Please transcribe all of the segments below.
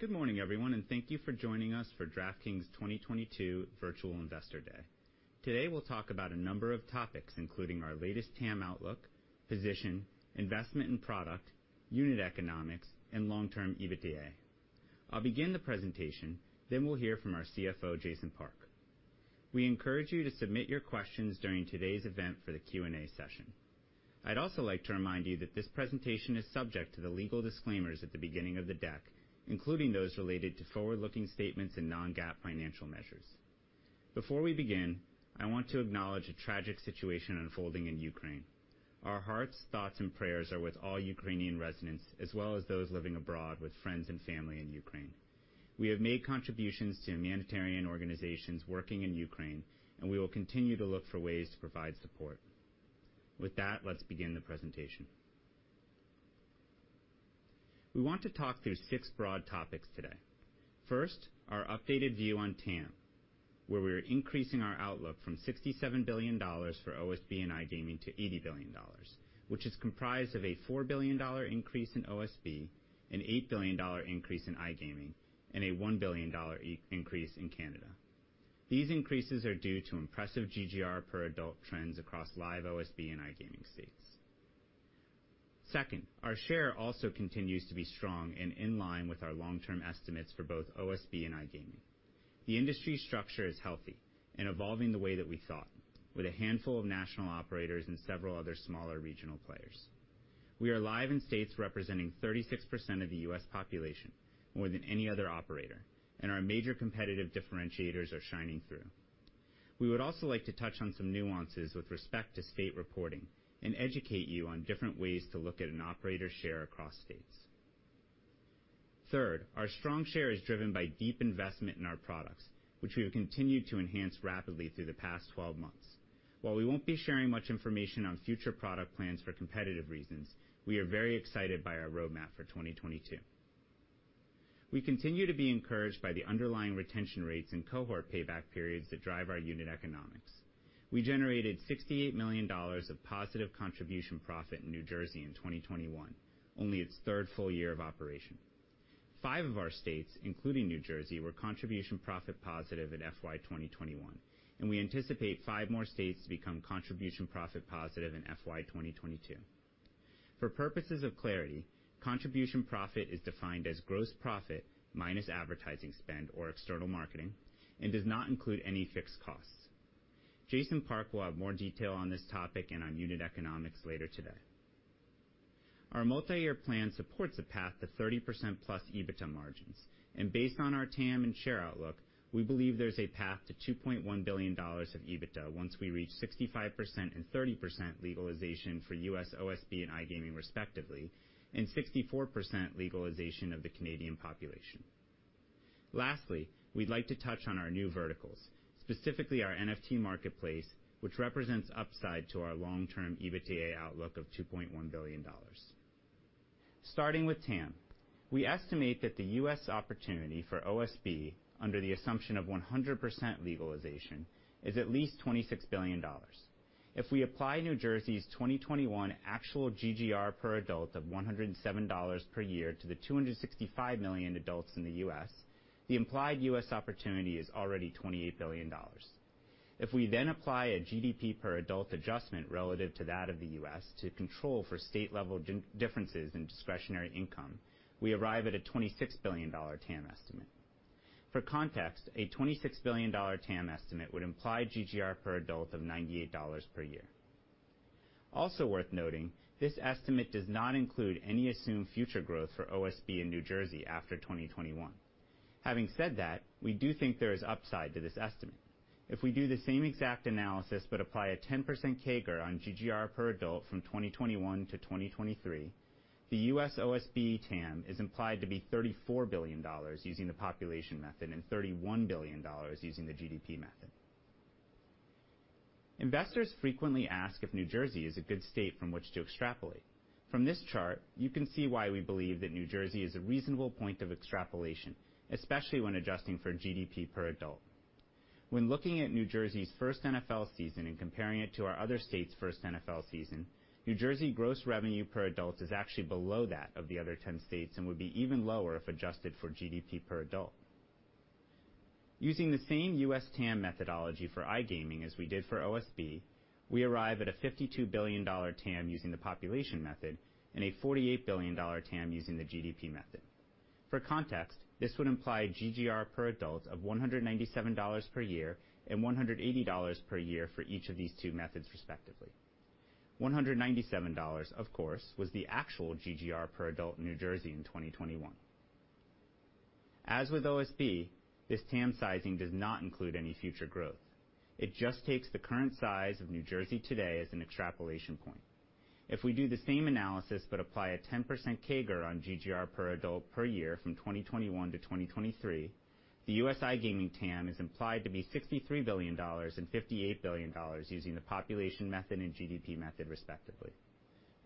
Good morning, everyone, and thank you for joining us for DraftKings 2022 Virtual Investor Day. Today, we'll talk about a number of topics, including our latest TAM outlook, position, investment, and product, unit economics, and long-term EBITDA. I'll begin the presentation, then we'll hear from our CFO, Jason Park. We encourage you to submit your questions during today's event for the Q&A session. I'd also like to remind you that this presentation is subject to the legal disclaimers at the beginning of the deck, including those related to forward-looking statements and non-GAAP financial measures. Before we begin, I want to acknowledge a tragic situation unfolding in Ukraine. Our hearts, thoughts, and prayers are with all Ukrainian residents, as well as those living abroad with friends and family in Ukraine. We have made contributions to humanitarian organizations working in Ukraine, and we will continue to look for ways to provide support. With that, let's begin the presentation. We want to talk through six broad topics today. First, our updated view on TAM, where we are increasing our outlook from $67 billion for OSB and iGaming to $80 billion, which is comprised of a $4 billion increase in OSB, an $8 billion increase in iGaming, and a $1 billion increase in Canada. These increases are due to impressive GGR per adult trends across live OSB and iGaming states. Second, our share also continues to be strong and in line with our long-term estimates for both OSB and iGaming. The industry structure is healthy and evolving the way that we thought, with a handful of national operators and several other smaller regional players. We are live in states representing 36% of the U.S. population, more than any other operator, and our major competitive differentiators are shining through. We would also like to touch on some nuances with respect to state reporting and educate you on different ways to look at an operator share across states. Third, our strong share is driven by deep investment in our products, which we have continued to enhance rapidly through the past 12 months. While we won't be sharing much information on future product plans for competitive reasons, we are very excited by our roadmap for 2022. We continue to be encouraged by the underlying retention rates and cohort payback periods that drive our unit economics. We generated $68 million of positive contribution profit in New Jersey in 2021, only its third full year of operation. Five of our states, including New Jersey, were contribution profit positive in FY 2021, and we anticipate five more states to become contribution profit positive in FY 2022. For purposes of clarity, contribution profit is defined as gross profit minus advertising spend or external marketing and does not include any fixed costs. Jason Park will have more detail on this topic and on unit economics later today. Our multi-year plan supports a path to 30%+ EBITDA margins, and based on our TAM and share outlook, we believe there's a path to $2.1 billion of EBITDA once we reach 65% and 30% legalization for U.S. OSB and iGaming respectively, and 64% legalization of the Canadian population. Lastly, we'd like to touch on our new verticals, specifically our NFT Marketplace, which represents upside to our long-term EBITDA outlook of $2.1 billion. Starting with TAM, we estimate that the U.S. opportunity for OSB under the assumption of 100% legalization is at least $26 billion. If we apply New Jersey's 2021 actual GGR per adult of $107 per year to the 265 million adults in the U.S., the implied U.S. opportunity is already $28 billion. If we then apply a GDP per adult adjustment relative to that of the U.S. to control for state-level differences in discretionary income, we arrive at a $26 billion TAM estimate. For context, a $26 billion TAM estimate would imply GGR per adult of $98 per year. Also worth noting, this estimate does not include any assumed future growth for OSB in New Jersey after 2021. Having said that, we do think there is upside to this estimate. If we do the same exact analysis, but apply a 10% CAGR on GGR per adult from 2021 to 2023, the U.S. OSB TAM is implied to be $34 billion using the population method and $31 billion using the GDP method. Investors frequently ask if New Jersey is a good state from which to extrapolate. From this chart, you can see why we believe that New Jersey is a reasonable point of extrapolation, especially when adjusting for GDP per adult. When looking at New Jersey's first NFL season and comparing it to our other state's first NFL season, New Jersey gross revenue per adult is actually below that of the other 10 states and would be even lower if adjusted for GDP per adult. Using the same U.S. TAM methodology for iGaming as we did for OSB, we arrive at a $52 billion TAM using the population method and a $48 billion TAM using the GDP method. For context, this would imply GGR per adult of $197 per year and $180 per year for each of these two methods, respectively. $197, of course, was the actual GGR per adult in New Jersey in 2021. As with OSB, this TAM sizing does not include any future growth. It just takes the current size of New Jersey today as an extrapolation point. If we do the same analysis, but apply a 10% CAGR on GGR per adult per year from 2021 to 2023, the U.S. iGaming TAM is implied to be $63 billion and $58 billion using the population method and GDP method, respectively.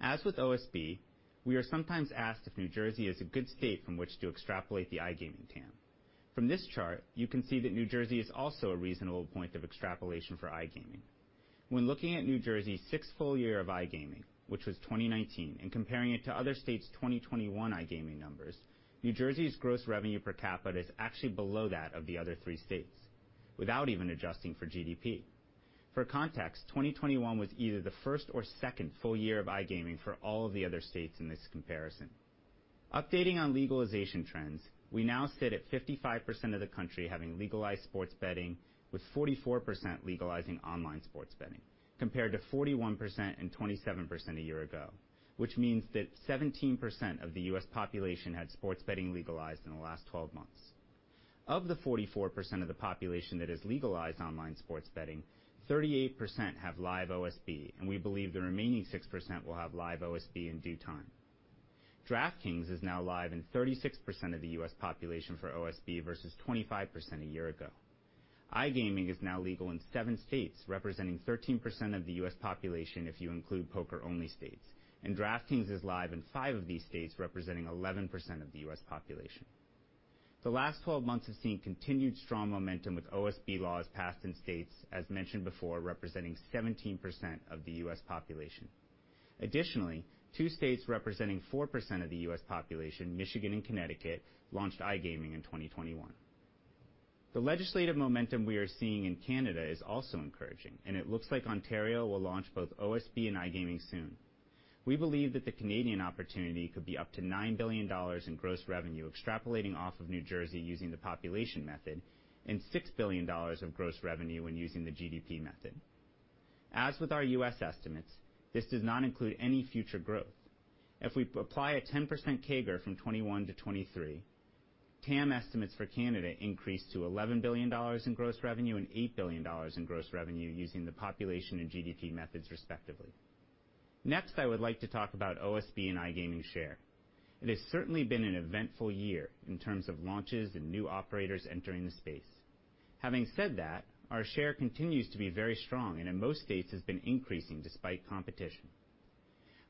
As with OSB, we are sometimes asked if New Jersey is a good state from which to extrapolate the iGaming TAM. From this chart, you can see that New Jersey is also a reasonable point of extrapolation for iGaming. When looking at New Jersey's sixth full year of iGaming, which was 2019, and comparing it to other states' 2021 iGaming numbers, New Jersey's gross revenue per capita is actually below that of the other three states without even adjusting for GDP. For context, 2021 was either the first or second full year of iGaming for all of the other states in this comparison. Updating on legalization trends, we now sit at 55% of the country having legalized sports betting, with 44% legalizing online sports betting, compared to 41% and 27% a year ago, which means that 17% of the U.S. population had sports betting legalized in the last 12 months. Of the 44% of the population that has legalized online sports betting, 38% have live OSB, and we believe the remaining 6% will have live OSB in due time. DraftKings is now live in 36% of the U.S. population for OSB versus 25% a year ago. iGaming is now legal in seven states, representing 13% of the U.S. population if you include poker-only states. DraftKings is live in five of these states, representing 11% of the U.S. population. The last 12 months have seen continued strong momentum with OSB laws passed in states, as mentioned before, representing 17% of the U.S. population. Additionally, two states representing 4% of the U.S. population, Michigan and Connecticut, launched iGaming in 2021. The legislative momentum we are seeing in Canada is also encouraging, and it looks like Ontario will launch both OSB and iGaming soon. We believe that the Canadian opportunity could be up to $9 billion in gross revenue extrapolating off of New Jersey using the population method and $6 billion of gross revenue when using the GDP method. As with our U.S. estimates, this does not include any future growth. If we apply a 10% CAGR from 2021 to 2023, TAM estimates for Canada increase to $11 billion in gross revenue and $8 billion in gross revenue using the population and GDP methods, respectively. Next, I would like to talk about OSB and iGaming share. It has certainly been an eventful year in terms of launches and new operators entering the space. Having said that, our share continues to be very strong and in most states has been increasing despite competition.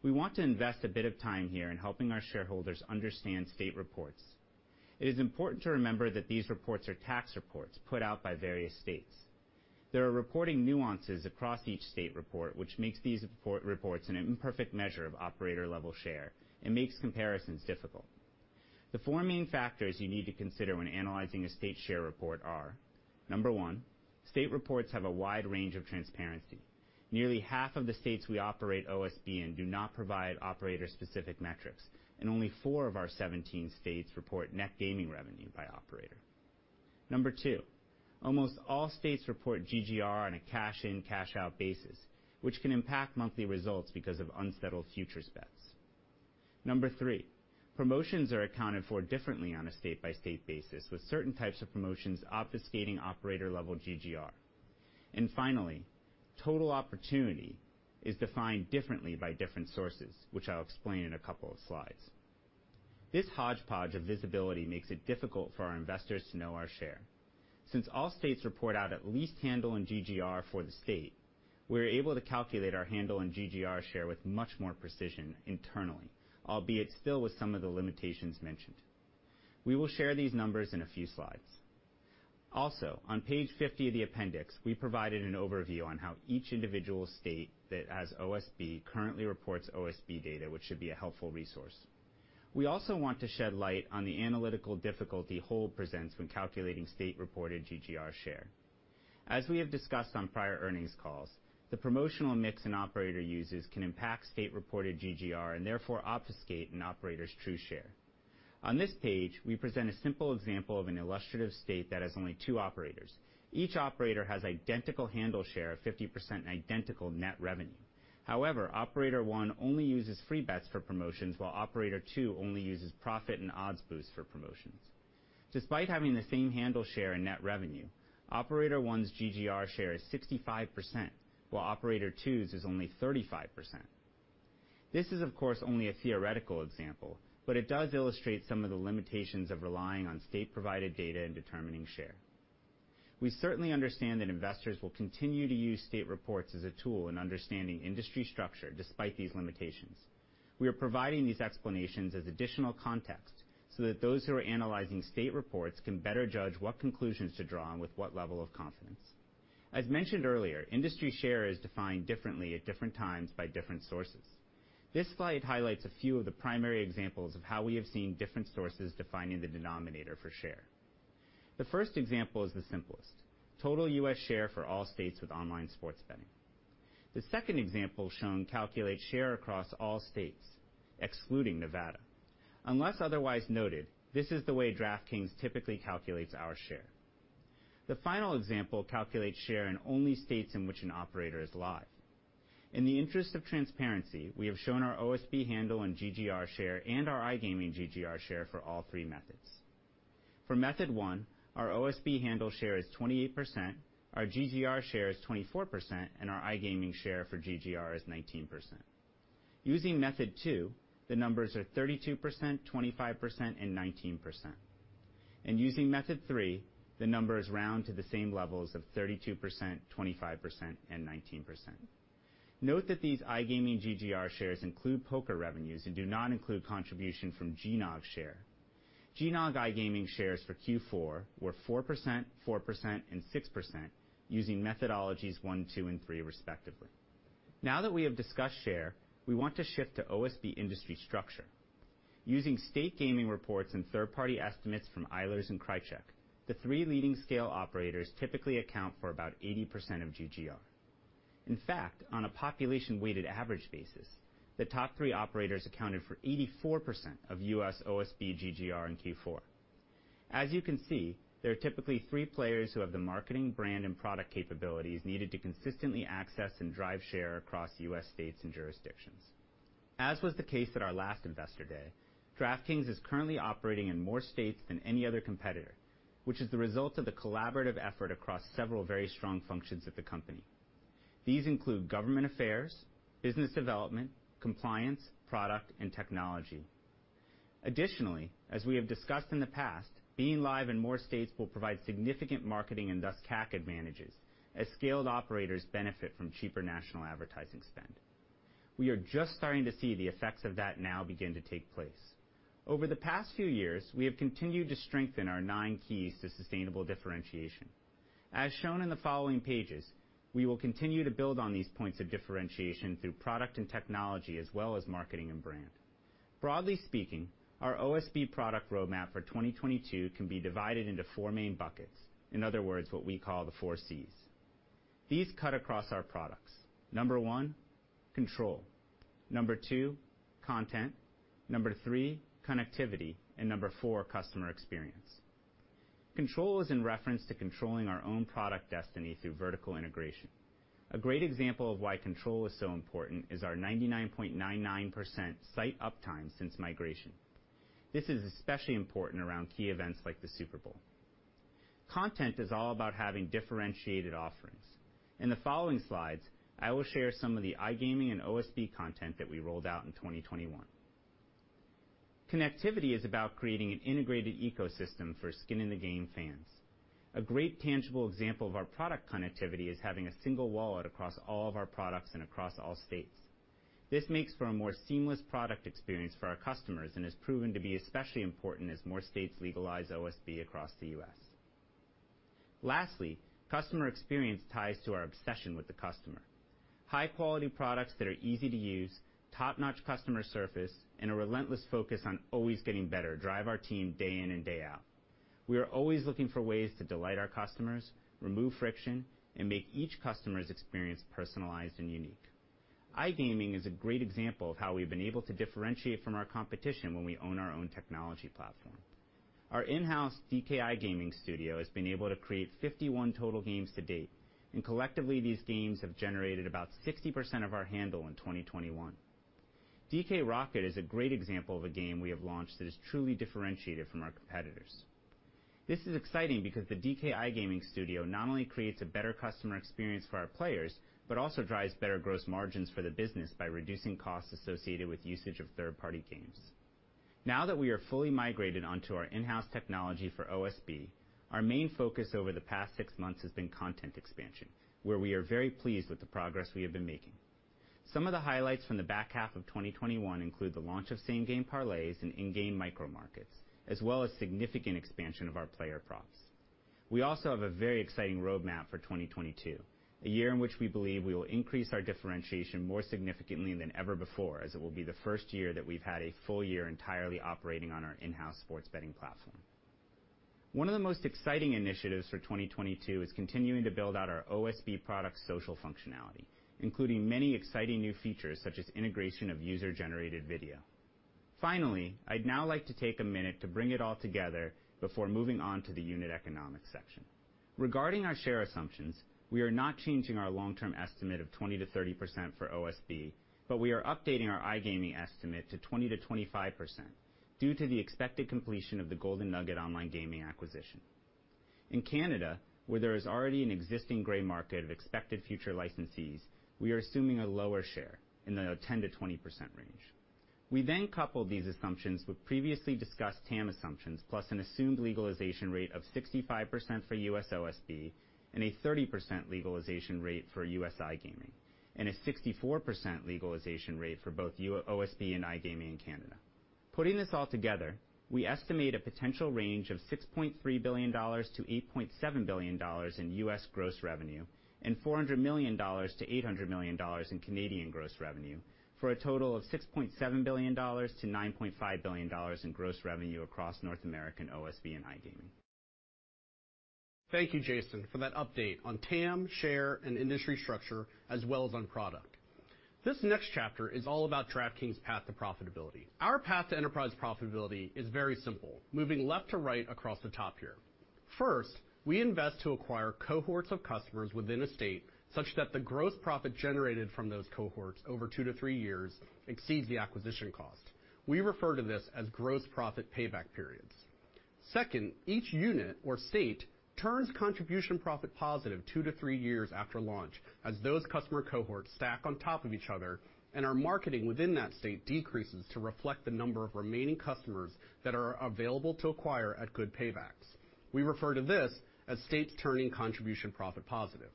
We want to invest a bit of time here in helping our shareholders understand state reports. It is important to remember that these reports are tax reports put out by various states. There are reporting nuances across each state report which makes these reports an imperfect measure of operator-level share and makes comparisons difficult. The four main factors you need to consider when analyzing a state share report are, number one, state reports have a wide range of transparency. Nearly half of the states we operate OSB in do not provide operator-specific metrics, and only four of our 17 states report net gaming revenue by operator. Number two, almost all states report GGR on a cash-in, cash-out basis, which can impact monthly results because of unsettled futures bets. Number three, promotions are accounted for differently on a state-by-state basis, with certain types of promotions obfuscating operator-level GGR. Finally, total opportunity is defined differently by different sources, which I'll explain in a couple of slides. This hodgepodge of visibility makes it difficult for our investors to know our share. Since all states report out at least handle and GGR for the state, we're able to calculate our handle and GGR share with much more precision internally, albeit still with some of the limitations mentioned. We will share these numbers in a few slides. Also, on page 50 of the appendix, we provided an overview on how each individual state that has OSB currently reports OSB data, which should be a helpful resource. We also want to shed light on the analytical difficulty which presents when calculating state-reported GGR share. As we have discussed on prior earnings calls, the promotional mix an operator uses can impact state-reported GGR and therefore obfuscate an operator's true share. On this page, we present a simple example of an illustrative state that has only two operators. Each operator has identical handle share of 50% and identical net revenue. However, operator one only uses free bets for promotions, while operator two only uses profit and odds boost for promotions. Despite having the same handle share and net revenue, operator one's GGR share is 65%, while operator two's is only 35%. This is, of course, only a theoretical example, but it does illustrate some of the limitations of relying on state-provided data in determining share. We certainly understand that investors will continue to use state reports as a tool in understanding industry structure despite these limitations. We are providing these explanations as additional context so that those who are analyzing state reports can better judge what conclusions to draw and with what level of confidence. As mentioned earlier, industry share is defined differently at different times by different sources. This slide highlights a few of the primary examples of how we have seen different sources defining the denominator for share. The first example is the simplest, total U.S. share for all states with online sports betting. The second example shown calculates share across all states, excluding Nevada. Unless otherwise noted, this is the way DraftKings typically calculates our share. The final example calculates share in only states in which an operator is live. In the interest of transparency, we have shown our OSB handle and GGR share and our iGaming GGR share for all three methods. For method one, our OSB handle share is 28%, our GGR share is 24%, and our iGaming share for GGR is 19%. Using method two, the numbers are 32%, 25%, and 19%. Using method three, the numbers round to the same levels of 32%, 25%, and 19%. Note that these iGaming GGR shares include poker revenues and do not include contribution from GNOG share. GNOG iGaming shares for Q4 were 4%, 4%, and 6% using methodologies one, two, and three respectively. Now that we have discussed share, we want to shift to OSB industry structure. Using state gaming reports and third-party estimates from Eilers & Krejcik, the three leading scale operators typically account for about 80% of GGR. In fact, on a population-weighted average basis, the top three operators accounted for 84% of U.S. OSB GGR in Q4. As you can see, there are typically three players who have the marketing, brand, and product capabilities needed to consistently access and drive share across U.S. states and jurisdictions. As was the case at our last Investor Day, DraftKings is currently operating in more states than any other competitor, which is the result of the collaborative effort across several very strong functions of the company. These include government affairs, business development, compliance, product, and technology. Additionally, as we have discussed in the past, being live in more states will provide significant marketing and thus CAC advantages as scaled operators benefit from cheaper national advertising spend. We are just starting to see the effects of that now beginning to take place. Over the past few years, we have continued to strengthen our nine keys to sustainable differentiation. As shown in the following pages, we will continue to build on these points of differentiation through product and technology as well as marketing and brand. Broadly speaking, our OSB product roadmap for 2022 can be divided into four main buckets, in other words, what we call the four Cs. These cut across our products. Number one, control. Number two, content. Number three, connectivity. Number four, customer experience. Control is in reference to controlling our own product destiny through vertical integration. A great example of why control is so important is our 99.99% site uptime since migration. This is especially important around key events like the Super Bowl. Content is all about having differentiated offerings. In the following slides, I will share some of the iGaming and OSB content that we rolled out in 2021. Connectivity is about creating an integrated ecosystem for skin in the game fans. A great tangible example of our product connectivity is having a single wallet across all of our products and across all states. This makes for a more seamless product experience for our customers and has proven to be especially important as more states legalize OSB across the U.S. Lastly, customer experience ties to our obsession with the customer. High-quality products that are easy to use, top-notch customer service, and a relentless focus on always getting better drive our team day in and day out. We are always looking for ways to delight our customers, remove friction, and make each customer's experience personalized and unique. iGaming is a great example of how we've been able to differentiate from our competition when we own our own technology platform. Our in-house DK iGaming Studio has been able to create 51 total games to date, and collectively, these games have generated about 60% of our handle in 2021. DK Rocket is a great example of a game we have launched that is truly differentiated from our competitors. This is exciting because the DK iGaming Studio not only creates a better customer experience for our players but also drives better gross margins for the business by reducing costs associated with usage of third-party games. Now that we are fully migrated onto our in-house technology for OSB, our main focus over the past six months has been content expansion, where we are very pleased with the progress we have been making. Some of the highlights from the back half of 2021 include the launch of Same Game Parlays and in-game micromarkets, as well as significant expansion of our player props. We also have a very exciting roadmap for 2022, a year in which we believe we will increase our differentiation more significantly than ever before, as it will be the first year that we've had a full year entirely operating on our in-house sports betting platform. One of the most exciting initiatives for 2022 is continuing to build out our OSB product social functionality, including many exciting new features such as integration of user-generated video. Finally, I'd now like to take a minute to bring it all together before moving on to the unit economics section. Regarding our share assumptions, we are not changing our long-term estimate of 20%-30% for OSB, but we are updating our iGaming estimate to 20%-25% due to the expected completion of the Golden Nugget Online Gaming acquisition. In Canada, where there is already an existing gray market of expected future licensees, we are assuming a lower share in the 10%-20% range. We coupled these assumptions with previously discussed TAM assumptions, plus an assumed legalization rate of 65% for U.S. OSB and a 30% legalization rate for U.S. iGaming, and a 64% legalization rate for both U.S. OSB and iGaming in Canada. Putting this all together, we estimate a potential range of $6.3 billion-$8.7 billion in U.S. gross revenue and $400 million-$800 million in Canadian gross revenue, for a total of $6.7 billion-$9.5 billion in gross revenue across North American OSB and iGaming. Thank you, Jason, for that update on TAM, share, and industry structure, as well as on product. This next chapter is all about DraftKings' path to profitability. Our path to enterprise profitability is very simple, moving left to right across the top here. First, we invest to acquire cohorts of customers within a state such that the gross profit generated from those cohorts over two to three years exceeds the acquisition cost. We refer to this as gross profit payback periods. Second, each unit or state turns contribution profit positive two to three years after launch as those customer cohorts stack on top of each other and our marketing within that state decreases to reflect the number of remaining customers that are available to acquire at good paybacks. We refer to this as states turning contribution profit positive.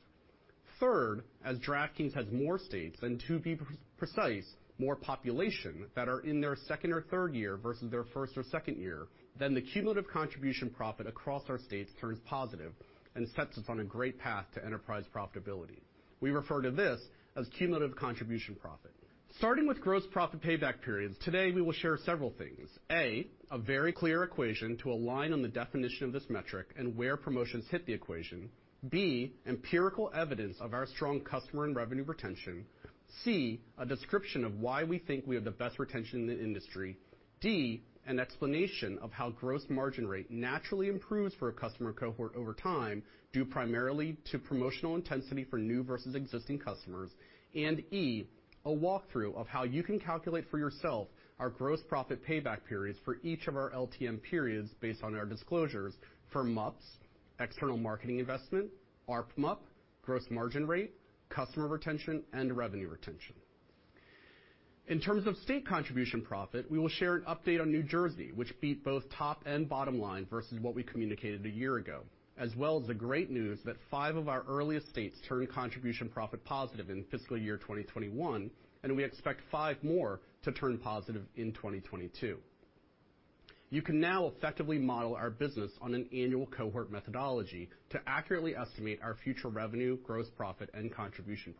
Third, as DraftKings has more states and, to be precise, more population that are in their second or third year versus their first or second year, then the cumulative contribution profit across our states turns positive and sets us on a great path to enterprise profitability. We refer to this as cumulative contribution profit. Starting with gross profit payback periods, today we will share several things. A, a very clear equation to align on the definition of this metric and where promotions hit the equation. B, empirical evidence of our strong customer and revenue retention. C, a description of why we think we have the best retention in the industry. D, an explanation of how gross margin rate naturally improves for a customer cohort over time, due primarily to promotional intensity for new versus existing customers. E, a walkthrough of how you can calculate for yourself our gross profit payback periods for each of our LTM periods based on our disclosures for MUPs, external marketing investment, ARPMUP, gross margin rate, customer retention, and revenue retention. In terms of state contribution profit, we will share an update on New Jersey, which beat both top and bottom line versus what we communicated a year ago, as well as the great news that five of our earliest states turned contribution profit positive in fiscal year 2021, and we expect five more to turn positive in 2022. You can now effectively model our business on an annual cohort methodology to accurately estimate our future revenue, gross profit, and contribution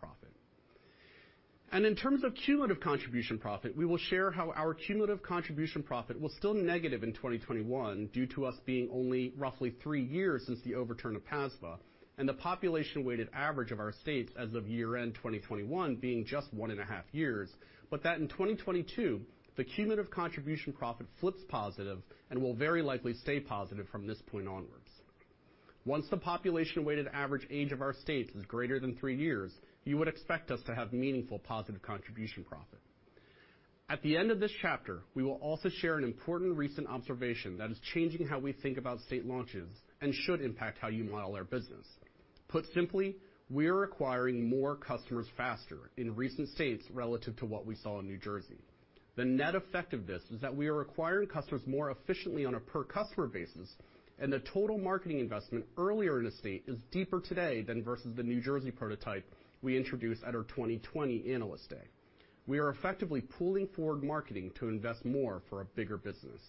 profit. In terms of cumulative contribution profit, we will share how our cumulative contribution profit was still negative in 2021 due to us being only roughly three years since the overturn of PASPA and the population-weighted average of our states as of year-end 2021 being just 1.5 years, but that in 2022, the cumulative contribution profit flips positive and will very likely stay positive from this point onwards. Once the population-weighted average age of our states is greater than three years, you would expect us to have meaningful positive contribution profit. At the end of this chapter, we will also share an important recent observation that is changing how we think about state launches and should impact how you model our business. Put simply, we are acquiring more customers faster in recent states relative to what we saw in New Jersey. The net effect of this is that we are acquiring customers more efficiently on a per-customer basis, and the total marketing investment earlier in a state is deeper today than versus the New Jersey prototype we introduced at our 2020 Analyst Day. We are effectively pooling forward marketing to invest more for a bigger business.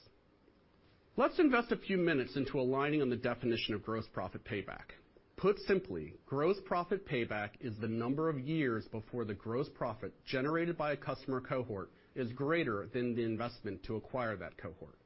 Let's invest a few minutes into aligning on the definition of gross profit payback. Put simply, gross profit payback is the number of years before the gross profit generated by a customer cohort is greater than the investment to acquire that cohort.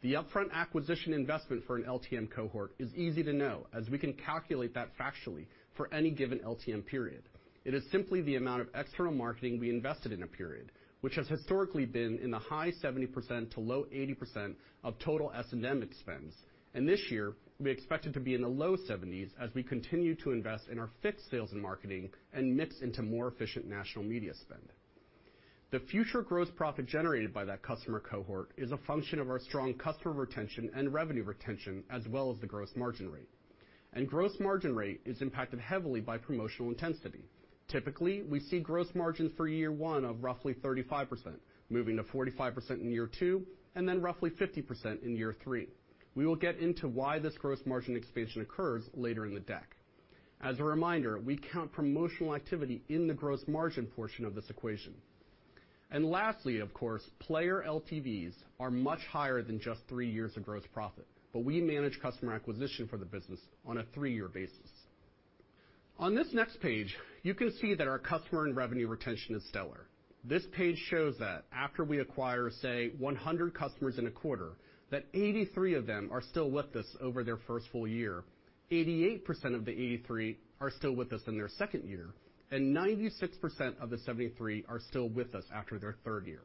The upfront acquisition investment for an LTM cohort is easy to know, as we can calculate that factually for any given LTM period. It is simply the amount of external marketing we invested in a period, which has historically been in the high 70% to low 80% of total S&M expense. This year, we expect it to be in the low 70s% as we continue to invest in our fixed sales and marketing and mix into more efficient national media spend. The future gross profit generated by that customer cohort is a function of our strong customer retention and revenue retention, as well as the gross margin rate. Gross margin rate is impacted heavily by promotional intensity. Typically, we see gross margin for year one of roughly 35%, moving to 45% in year two, and then roughly 50% in year three. We will get into why this gross margin expansion occurs later in the deck. As a reminder, we count promotional activity in the gross margin portion of this equation. Lastly, of course, player LTVs are much higher than just three years of gross profit, but we manage customer acquisition for the business on a three-year basis. On this next page, you can see that our customer and revenue retention is stellar. This page shows that after we acquire, say, 100 customers in a quarter, that 83 of them are still with us over their first full year. 88% of the 83 are still with us in their second year, and 96% of the 73 are still with us after their third year.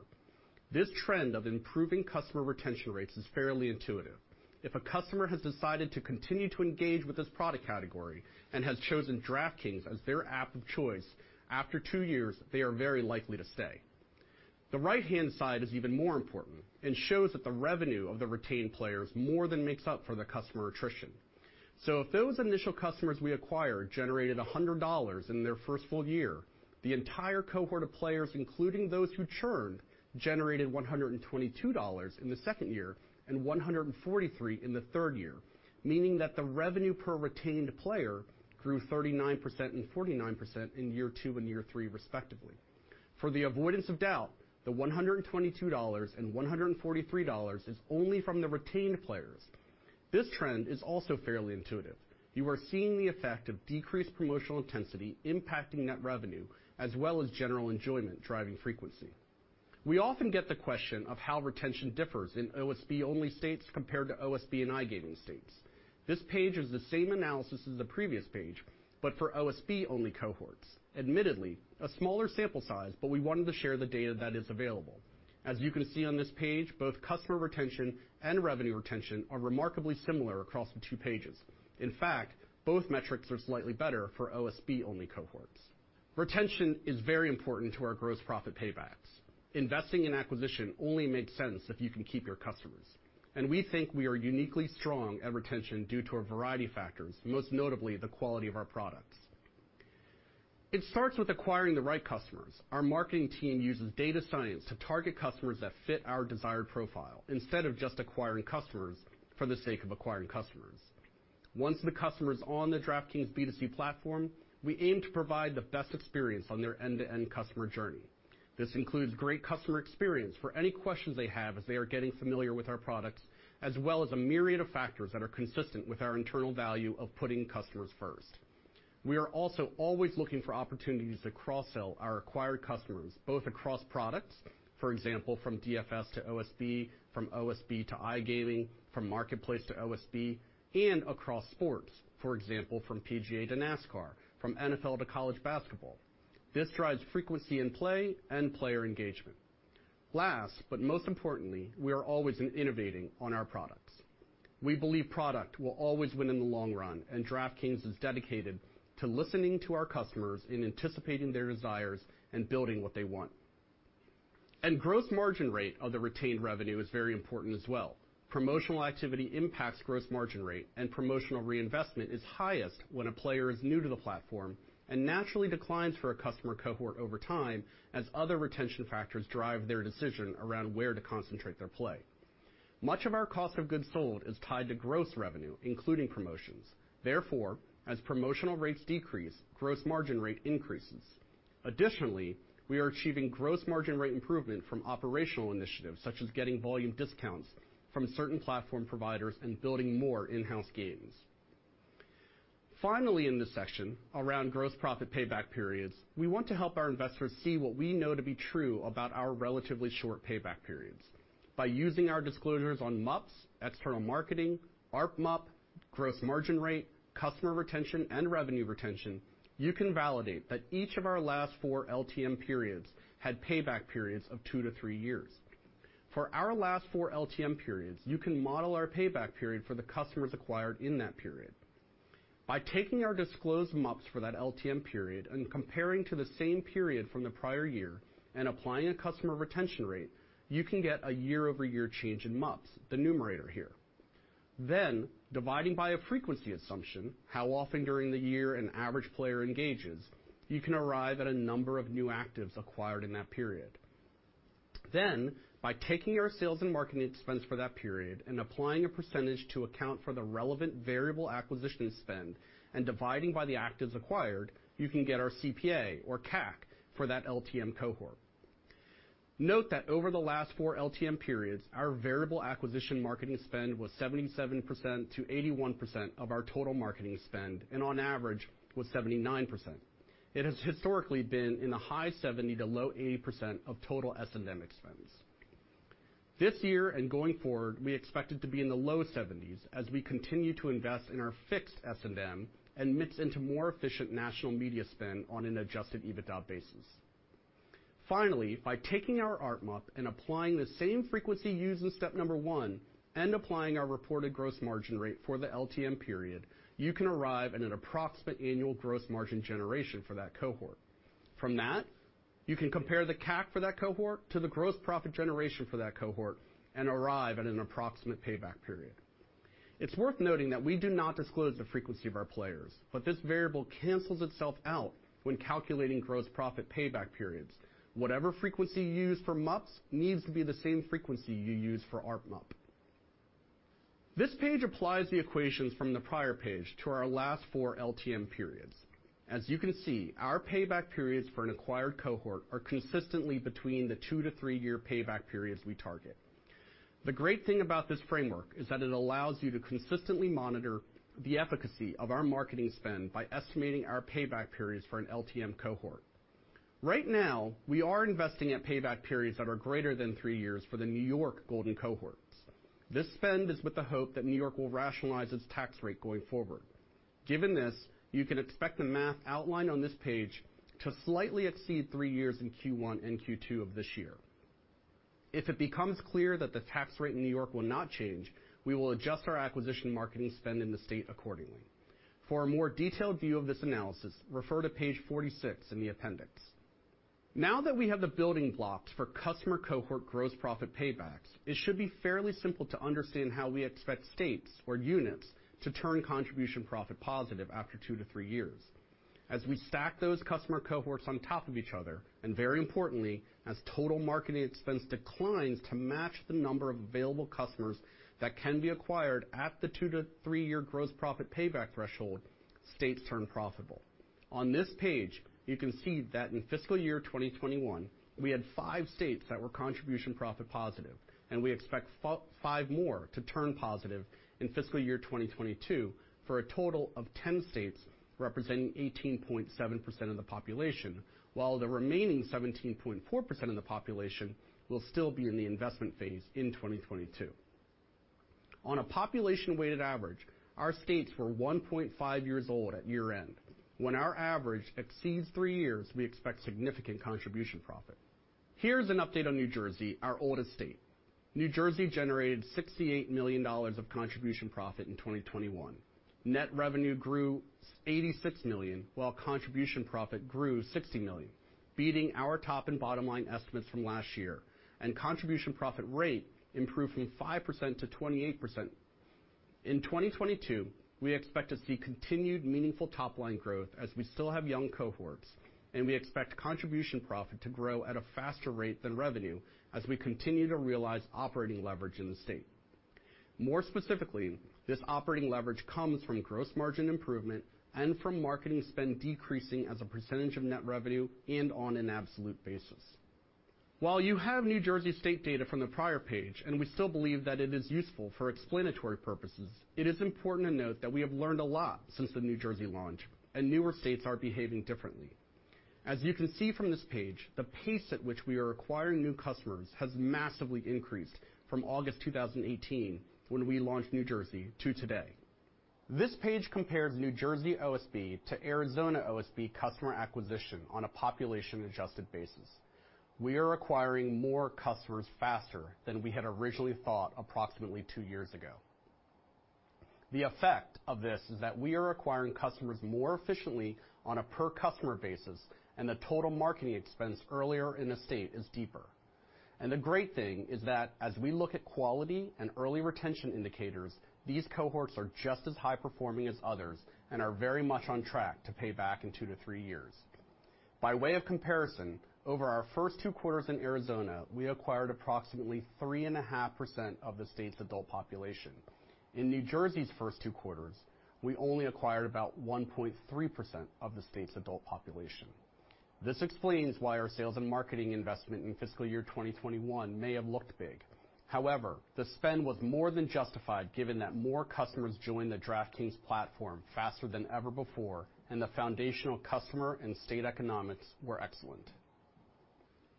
This trend of improving customer retention rates is fairly intuitive. If a customer has decided to continue to engage with this product category and has chosen DraftKings as their app of choice, after two years, they are very likely to stay. The right-hand side is even more important and shows that the revenue of the retained players more than makes up for the customer attrition. If those initial customers we acquired generated $100 in their first full year, the entire cohort of players, including those who churned, generated $122 in the second year and $143 in the third year, meaning that the revenue per retained player grew 39% and 49% in year two and year three, respectively. For the avoidance of doubt, the $122 and $143 is only from the retained players. This trend is also fairly intuitive. You are seeing the effect of decreased promotional intensity impacting net revenue as well as general enjoyment driving frequency. We often get the question of how retention differs in OSB-only states compared to OSB and iGaming states. This page is the same analysis as the previous page, but for OSB-only cohorts. Admittedly, a smaller sample size, but we wanted to share the data that is available. As you can see on this page, both customer retention and revenue retention are remarkably similar across the two pages. In fact, both metrics are slightly better for OSB-only cohorts. Retention is very important to our gross profit paybacks. Investing in acquisition only makes sense if you can keep your customers. We think we are uniquely strong at retention due to a variety of factors, most notably the quality of our products. It starts with acquiring the right customers. Our marketing team uses data science to target customers that fit our desired profile instead of just acquiring customers for the sake of acquiring customers. Once the customer is on the DraftKings B2C platform, we aim to provide the best experience on their end-to-end customer journey. This includes great customer experience for any questions they have as they are getting familiar with our products, as well as a myriad of factors that are consistent with our internal value of putting customers first. We are also always looking for opportunities to cross-sell our acquired customers, both across products, for example, from DFS to OSB, from OSB to iGaming, from Marketplace to OSB, and across sports, for example, from PGA to NASCAR, from NFL to college basketball. This drives frequency in play and player engagement. Last, but most importantly, we are always innovating on our products. We believe product will always win in the long run, and DraftKings is dedicated to listening to our customers and anticipating their desires and building what they want. Gross margin rate of the retained revenue is very important as well. Promotional activity impacts gross margin rate, and promotional reinvestment is highest when a player is new to the platform and naturally declines for a customer cohort over time as other retention factors drive their decision around where to concentrate their play. Much of our cost of goods sold is tied to gross revenue, including promotions. Therefore, as promotional rates decrease, gross margin rate increases. Additionally, we are achieving gross margin rate improvement from operational initiatives, such as getting volume discounts from certain platform providers and building more in-house games. Finally, in this section, around gross profit payback periods, we want to help our investors see what we know to be true about our relatively short payback periods. By using our disclosures on MUPs, external marketing, ARPMUP, gross margin rate, customer retention, and revenue retention, you can validate that each of our last four LTM periods had payback periods of two to three years. For our last four LTM periods, you can model our payback period for the customers acquired in that period. By taking our disclosed MUPs for that LTM period and comparing to the same period from the prior year and applying a customer retention rate, you can get a year-over-year change in MUPs, the numerator here. Dividing by a frequency assumption, how often during the year an average player engages, you can arrive at a number of new actives acquired in that period. By taking our sales and marketing expense for that period and applying a percentage to account for the relevant variable acquisition spend and dividing by the actives acquired, you can get our CPA or CAC for that LTM cohort. Note that over the last four LTM periods, our variable acquisition marketing spend was 77%-81% of our total marketing spend, and on average, was 79%. It has historically been in the high 70% to low 80% of total S&M expense. This year and going forward, we expect it to be in the low 70s% as we continue to invest in our fixed S&M and mix into more efficient national media spend on an adjusted EBITDA basis. Finally, by taking our ARPMUP and applying the same frequency used in step number one and applying our reported gross margin rate for the LTM period, you can arrive at an approximate annual gross margin generation for that cohort. From that, you can compare the CAC for that cohort to the gross profit generation for that cohort and arrive at an approximate payback period. It's worth noting that we do not disclose the frequency of our players, but this variable cancels itself out when calculating gross profit payback periods. Whatever frequency you use for MUPs needs to be the same frequency you use for ARPMUP. This page applies the equations from the prior page to our last four LTM periods. As you can see, our payback periods for an acquired cohort are consistently between the two to three year payback periods we target. The great thing about this framework is that it allows you to consistently monitor the efficacy of our marketing spend by estimating our payback periods for an LTM cohort. Right now, we are investing at payback periods that are greater than three years for the New York golden cohorts. This spend is with the hope that New York will rationalize its tax rate going forward. Given this, you can expect the math outlined on this page to slightly exceed three years in Q1 and Q2 of this year. If it becomes clear that the tax rate in New York will not change, we will adjust our acquisition marketing spend in the state accordingly. For a more detailed view of this analysis, refer to page 46 in the appendix. Now that we have the building blocks for customer cohort gross profit paybacks, it should be fairly simple to understand how we expect states or units to turn contribution profit positive after two to three years. As we stack those customer cohorts on top of each other, and very importantly, as total marketing expense declines to match the number of available customers that can be acquired at the two to three-year gross profit payback threshold, states turn profitable. On this page, you can see that in fiscal year 2021, we had five states that were contribution profit positive, and we expect five more to turn positive in fiscal year 2022, for a total of 10 states representing 18.7% of the population, while the remaining 17.4% of the population will still be in the investment phase in 2022. On a population-weighted average, our states were 1.5 years old at year-end. When our average exceeds three years, we expect significant contribution profit. Here's an update on New Jersey, our oldest state. New Jersey generated $68 million of contribution profit in 2021. Net revenue grew $86 million, while contribution profit grew $60 million, beating our top and bottom line estimates from last year, and contribution profit rate improved from 5% to 28%. In 2022, we expect to see continued meaningful top-line growth as we still have young cohorts, and we expect contribution profit to grow at a faster rate than revenue as we continue to realize operating leverage in the state. More specifically, this operating leverage comes from gross margin improvement and from marketing spend decreasing as a percentage of net revenue and on an absolute basis. While you have New Jersey state data from the prior page, and we still believe that it is useful for explanatory purposes, it is important to note that we have learned a lot since the New Jersey launch, and newer states are behaving differently. As you can see from this page, the pace at which we are acquiring new customers has massively increased from August 2018, when we launched New Jersey, to today. This page compares New Jersey OSB to Arizona OSB customer acquisition on a population-adjusted basis. We are acquiring more customers faster than we had originally thought approximately two years ago. The effect of this is that we are acquiring customers more efficiently on a per-customer basis, and the total marketing expense earlier in the state is deeper. The great thing is that as we look at quality and early retention indicators, these cohorts are just as high-performing as others and are very much on track to pay back in two to three years. By way of comparison, over our first two quarters in Arizona, we acquired approximately 3.5% of the state's adult population. In New Jersey's first two quarters, we only acquired about 1.3% of the state's adult population. This explains why our sales and marketing investment in fiscal year 2021 may have looked big. However, the spend was more than justified given that more customers joined the DraftKings platform faster than ever before, and the foundational customer and state economics were excellent.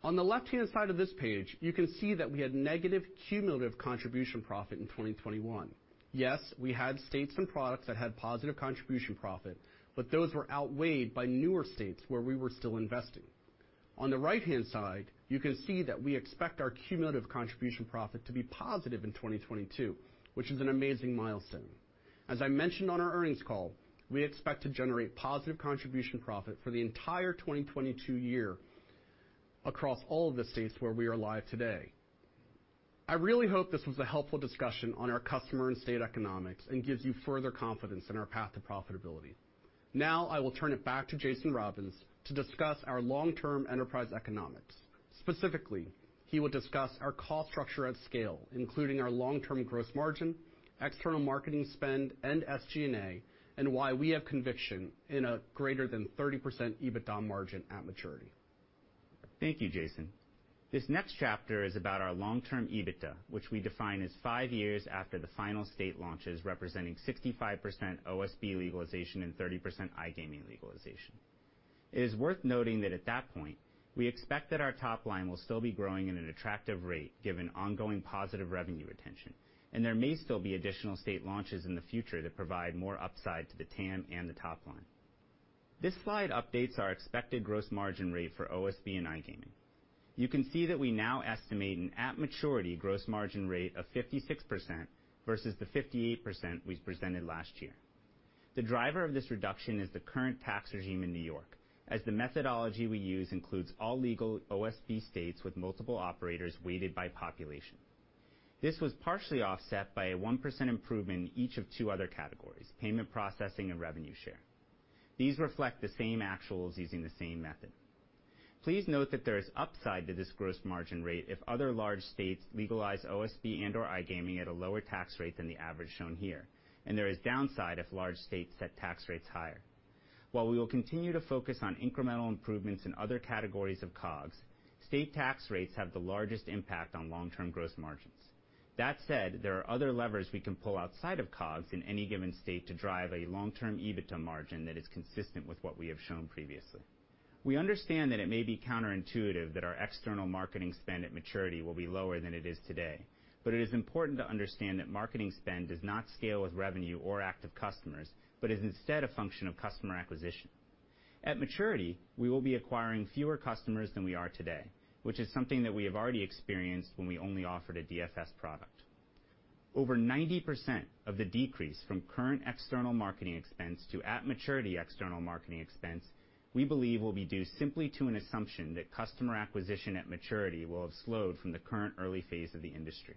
On the left-hand side of this page, you can see that we had negative cumulative contribution profit in 2021. Yes, we had states and products that had positive contribution profit, but those were outweighed by newer states where we were still investing. On the right-hand side, you can see that we expect our cumulative contribution profit to be positive in 2022, which is an amazing milestone. As I mentioned on our earnings call, we expect to generate positive contribution profit for the entire 2022 year across all of the states where we are live today. I really hope this was a helpful discussion on our customer and state economics and gives you further confidence in our path to profitability. Now I will turn it back to Jason Robins to discuss our long-term enterprise economics. Specifically, he will discuss our cost structure at scale, including our long-term gross margin, external marketing spend, and SG&A, and why we have conviction in a greater than 30% EBITDA margin at maturity. Thank you, Jason. This next chapter is about our long-term EBITDA, which we define as five years after the final state launches, representing 65% OSB legalization and 30% iGaming legalization. It is worth noting that at that point, we expect that our top line will still be growing at an attractive rate given ongoing positive revenue retention, and there may still be additional state launches in the future that provide more upside to the TAM and the top line. This slide updates our expected gross margin rate for OSB and iGaming. You can see that we now estimate an at-maturity gross margin rate of 56% versus the 58% we presented last year. The driver of this reduction is the current tax regime in New York, as the methodology we use includes all legal OSB states with multiple operators weighted by population. This was partially offset by a 1% improvement in each of two other categories, payment processing and revenue share. These reflect the same actuals using the same method. Please note that there is upside to this gross margin rate if other large states legalize OSB and/or iGaming at a lower tax rate than the average shown here, and there is downside if large states set tax rates higher. While we will continue to focus on incremental improvements in other categories of COGS, state tax rates have the largest impact on long-term gross margins. That said, there are other levers we can pull outside of COGS in any given state to drive a long-term EBITDA margin that is consistent with what we have shown previously. We understand that it may be counterintuitive that our external marketing spend at maturity will be lower than it is today, but it is important to understand that marketing spend does not scale with revenue or active customers but is instead a function of customer acquisition. At maturity, we will be acquiring fewer customers than we are today, which is something that we have already experienced when we only offered a DFS product. Over 90% of the decrease from current external marketing expense to at-maturity external marketing expense we believe will be due simply to an assumption that customer acquisition at maturity will have slowed from the current early phase of the industry.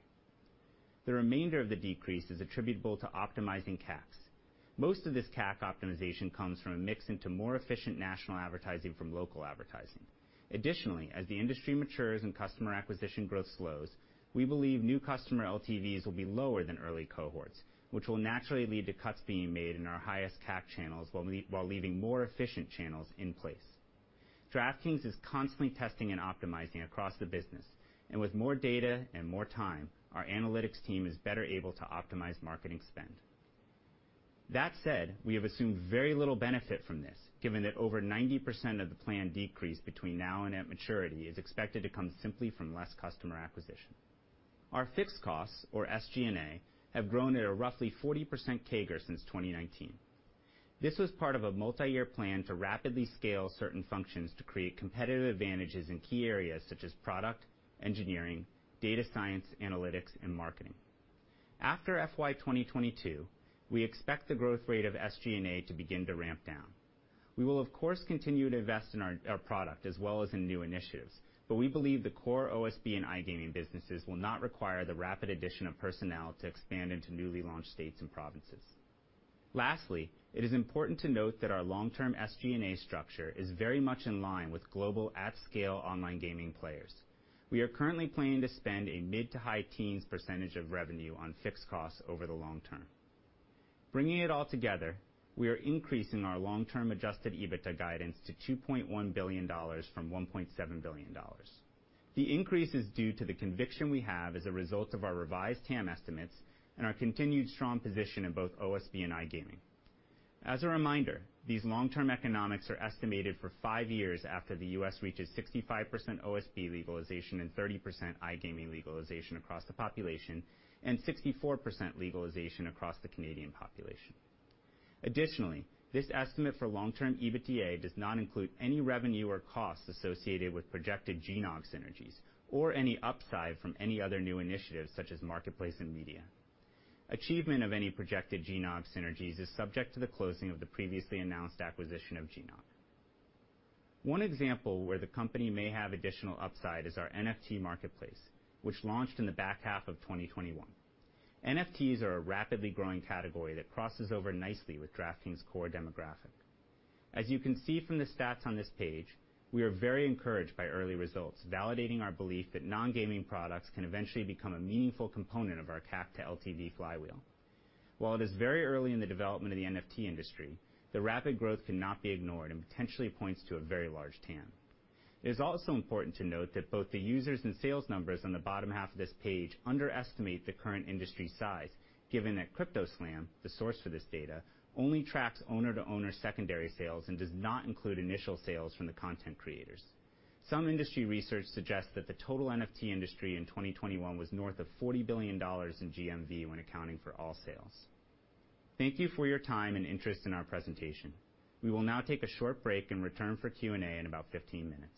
The remainder of the decrease is attributable to optimizing CAPEX. Most of this CAPEX optimization comes from a mix into more efficient national advertising from local advertising. Additionally, as the industry matures and customer acquisition growth slows, we believe new customer LTVs will be lower than early cohorts, which will naturally lead to cuts being made in our highest CapEx channels while leaving more efficient channels in place. DraftKings is constantly testing and optimizing across the business, and with more data and more time, our analytics team is better able to optimize marketing spend. That said, we have assumed very little benefit from this, given that over 90% of the planned decrease between now and at maturity is expected to come simply from less customer acquisition. Our fixed costs or SG&A have grown at a roughly 40% CAGR since 2019. This was part of a multi-year plan to rapidly scale certain functions to create competitive advantages in key areas such as product, engineering, data science, analytics, and marketing. After FY 2022, we expect the growth rate of SG&A to begin to ramp down. We will of course continue to invest in our product as well as in new initiatives, but we believe the core OSB and iGaming businesses will not require the rapid addition of personnel to expand into newly launched states and provinces. Lastly, it is important to note that our long-term SG&A structure is very much in line with global at-scale online gaming players. We are currently planning to spend a mid to high-teens percentage of revenue on fixed costs over the long term. Bringing it all together, we are increasing our long-term adjusted EBITDA guidance to $2.1 billion from $1.7 billion. The increase is due to the conviction we have as a result of our revised TAM estimates and our continued strong position in both OSB and iGaming. As a reminder, these long-term economics are estimated for five years after the U.S. reaches 65% OSB legalization and 30% iGaming legalization across the population and 64% legalization across the Canadian population. Additionally, this estimate for long-term EBITDA does not include any revenue or costs associated with projected GNOG synergies or any upside from any other new initiatives such as Marketplace and media. Achievement of any projected GNOG synergies is subject to the closing of the previously announced acquisition of GNOG. One example where the company may have additional upside is our NFT Marketplace, which launched in the back half of 2021. NFTs are a rapidly growing category that crosses over nicely with DraftKings' core demographic. As you can see from the stats on this page, we are very encouraged by early results, validating our belief that non-gaming products can eventually become a meaningful component of our CAC to LTV flywheel. While it is very early in the development of the NFT industry, the rapid growth cannot be ignored and potentially points to a very large TAM. It is also important to note that both the users and sales numbers on the bottom half of this page underestimate the current industry size, given that CryptoSlam, the source for this data, only tracks owner to owner secondary sales and does not include initial sales from the content creators. Some industry research suggests that the total NFT industry in 2021 was north of $40 billion in GMV when accounting for all sales. Thank you for your time and interest in our presentation. We will now take a short break and return for Q&A in about 15 minutes.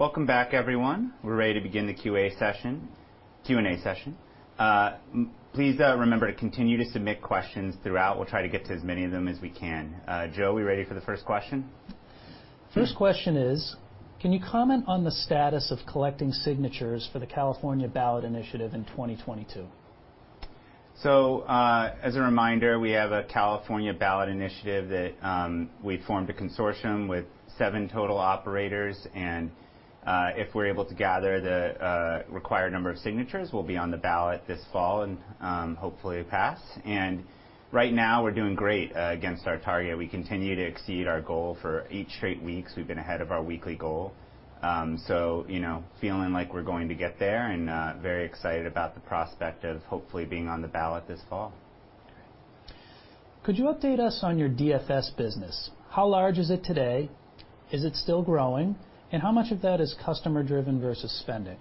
Welcome back, everyone. We're ready to begin the Q&A session. Please, remember to continue to submit questions throughout. We'll try to get to as many of them as we can. Joe, we ready for the first question? First question is, can you comment on the status of collecting signatures for the California ballot initiative in 2022? As a reminder, we have a California ballot initiative that we formed a consortium with seven total operators and if we're able to gather the required number of signatures, we'll be on the ballot this fall and hopefully it'll pass. Right now, we're doing great against our target. We continue to exceed our goal. For eight straight weeks, we've been ahead of our weekly goal. You know, feeling like we're going to get there and very excited about the prospect of hopefully being on the ballot this fall. Could you update us on your DFS business? How large is it today? Is it still growing? How much of that is customer driven versus spending?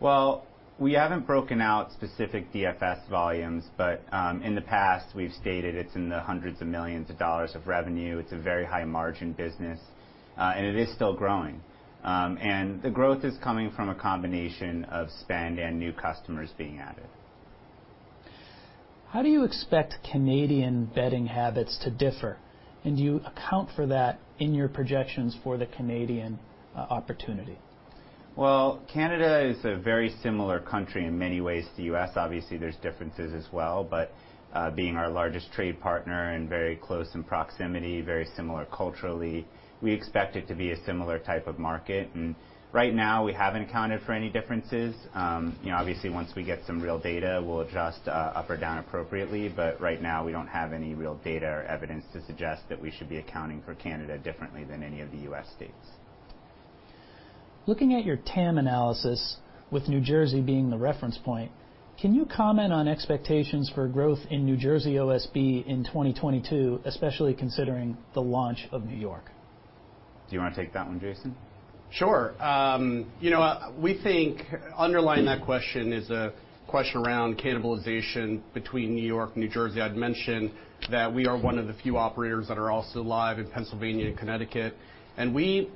Well, we haven't broken out specific DFS volumes, but in the past, we've stated it's in the hundreds of millions of dollars of revenue. It's a very high margin business, and it is still growing. The growth is coming from a combination of spend and new customers being added. How do you expect Canadian betting habits to differ? Do you account for that in your projections for the Canadian opportunity? Well, Canada is a very similar country in many ways to U.S. Obviously, there's differences as well. Being our largest trade partner and very close in proximity, very similar culturally, we expect it to be a similar type of market. Right now, we haven't accounted for any differences. You know, obviously, once we get some real data, we'll adjust up or down appropriately. Right now, we don't have any real data or evidence to suggest that we should be accounting for Canada differently than any of the U.S. states. Looking at your TAM analysis, with New Jersey being the reference point, can you comment on expectations for growth in New Jersey OSB in 2022, especially considering the launch of New York? Do you wanna take that one, Jason? Sure. You know, we think underlying that question is a question around cannibalization between New York, New Jersey. I'd mentioned that we are one of the few operators that are also live in Pennsylvania and Connecticut. We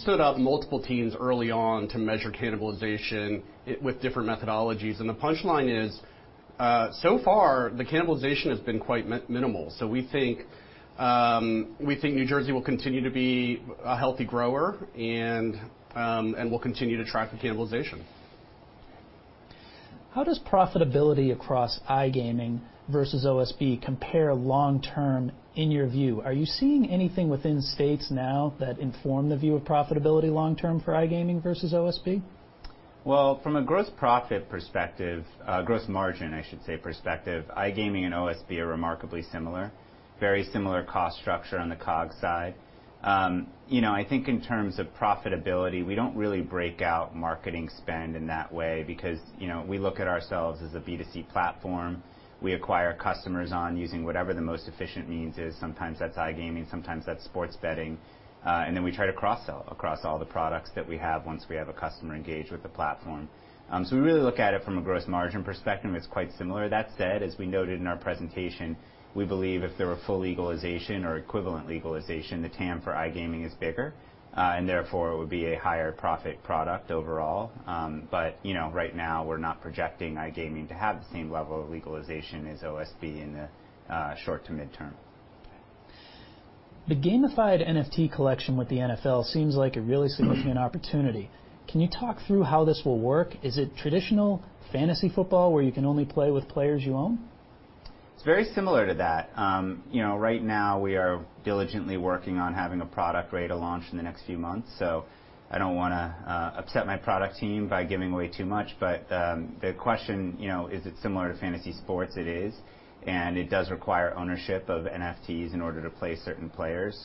stood up multiple teams early on to measure cannibalization with different methodologies. The punchline is, so far, the cannibalization has been quite minimal. We think New Jersey will continue to be a healthy grower and we'll continue to track the cannibalization. How does profitability across iGaming versus OSB compare long term in your view? Are you seeing anything within states now that inform the view of profitability long term for iGaming versus OSB? Well, from a gross margin perspective, I should say, iGaming and OSB are remarkably similar. Very similar cost structure on the COGS side. You know, I think in terms of profitability, we don't really break out marketing spend in that way because, you know, we look at ourselves as a B2C platform. We acquire customers on using whatever the most efficient means is. Sometimes that's iGaming, sometimes that's sports betting. And then we try to cross-sell across all the products that we have once we have a customer engaged with the platform. We really look at it from a gross margin perspective, it's quite similar. That said, as we noted in our presentation, we believe if there were full legalization or equivalent legalization, the TAM for iGaming is bigger, and therefore it would be a higher profit product overall. You know, right now, we're not projecting iGaming to have the same level of legalization as OSB in the short to midterm. The gamified NFT collection with the NFL seems like a really significant opportunity. Can you talk through how this will work? Is it traditional fantasy football where you can only play with players you own? It's very similar to that. You know, right now we are diligently working on having a product ready to launch in the next few months, so I don't wanna upset my product team by giving away too much. The question, you know, is it similar to fantasy sports? It is. It does require ownership of NFTs in order to play certain players.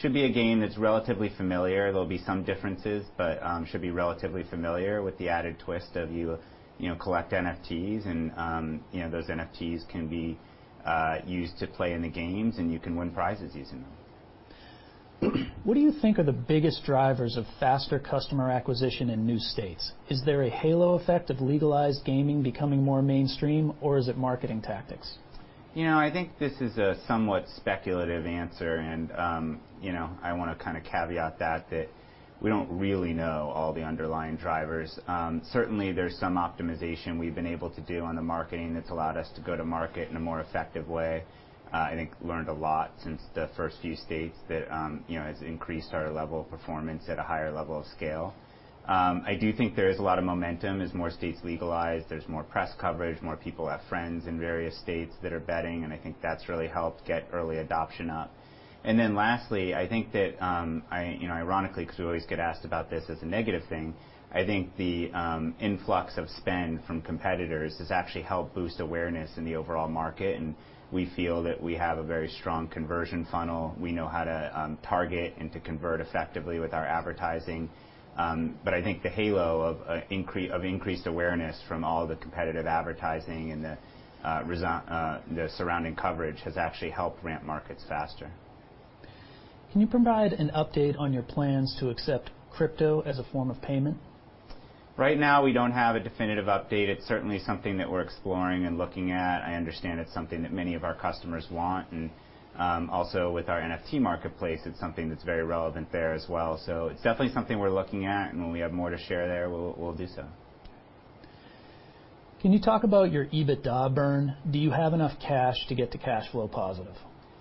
Should be a game that's relatively familiar. There'll be some differences, but should be relatively familiar with the added twist of you know, collect NFTs and, you know, those NFTs can be used to play in the games and you can win prizes using them. What do you think are the biggest drivers of faster customer acquisition in new states? Is there a halo effect of legalized gaming becoming more mainstream, or is it marketing tactics? You know, I think this is a somewhat speculative answer, and, you know, I wanna kinda caveat that we don't really know all the underlying drivers. Certainly, there's some optimization we've been able to do on the marketing that's allowed us to go to market in a more effective way. I think learned a lot since the first few states that, you know, has increased our level of performance at a higher level of scale. I do think there is a lot of momentum. As more states legalize, there's more press coverage, more people have friends in various states that are betting, and I think that's really helped get early adoption up. Then lastly, I think that, I you know, ironically, 'cause we always get asked about this as a negative thing, I think the influx of spend from competitors has actually helped boost awareness in the overall market, and we feel that we have a very strong conversion funnel. We know how to target and to convert effectively with our advertising. I think the halo of increased awareness from all the competitive advertising and the surrounding coverage has actually helped ramp markets faster. Can you provide an update on your plans to accept crypto as a form of payment? Right now, we don't have a definitive update. It's certainly something that we're exploring and looking at. I understand it's something that many of our customers want, and also with our NFT Marketplace, it's something that's very relevant there as well. It's definitely something we're looking at, and when we have more to share there, we'll do so. Can you talk about your EBITDA burn? Do you have enough cash to get to cash flow positive?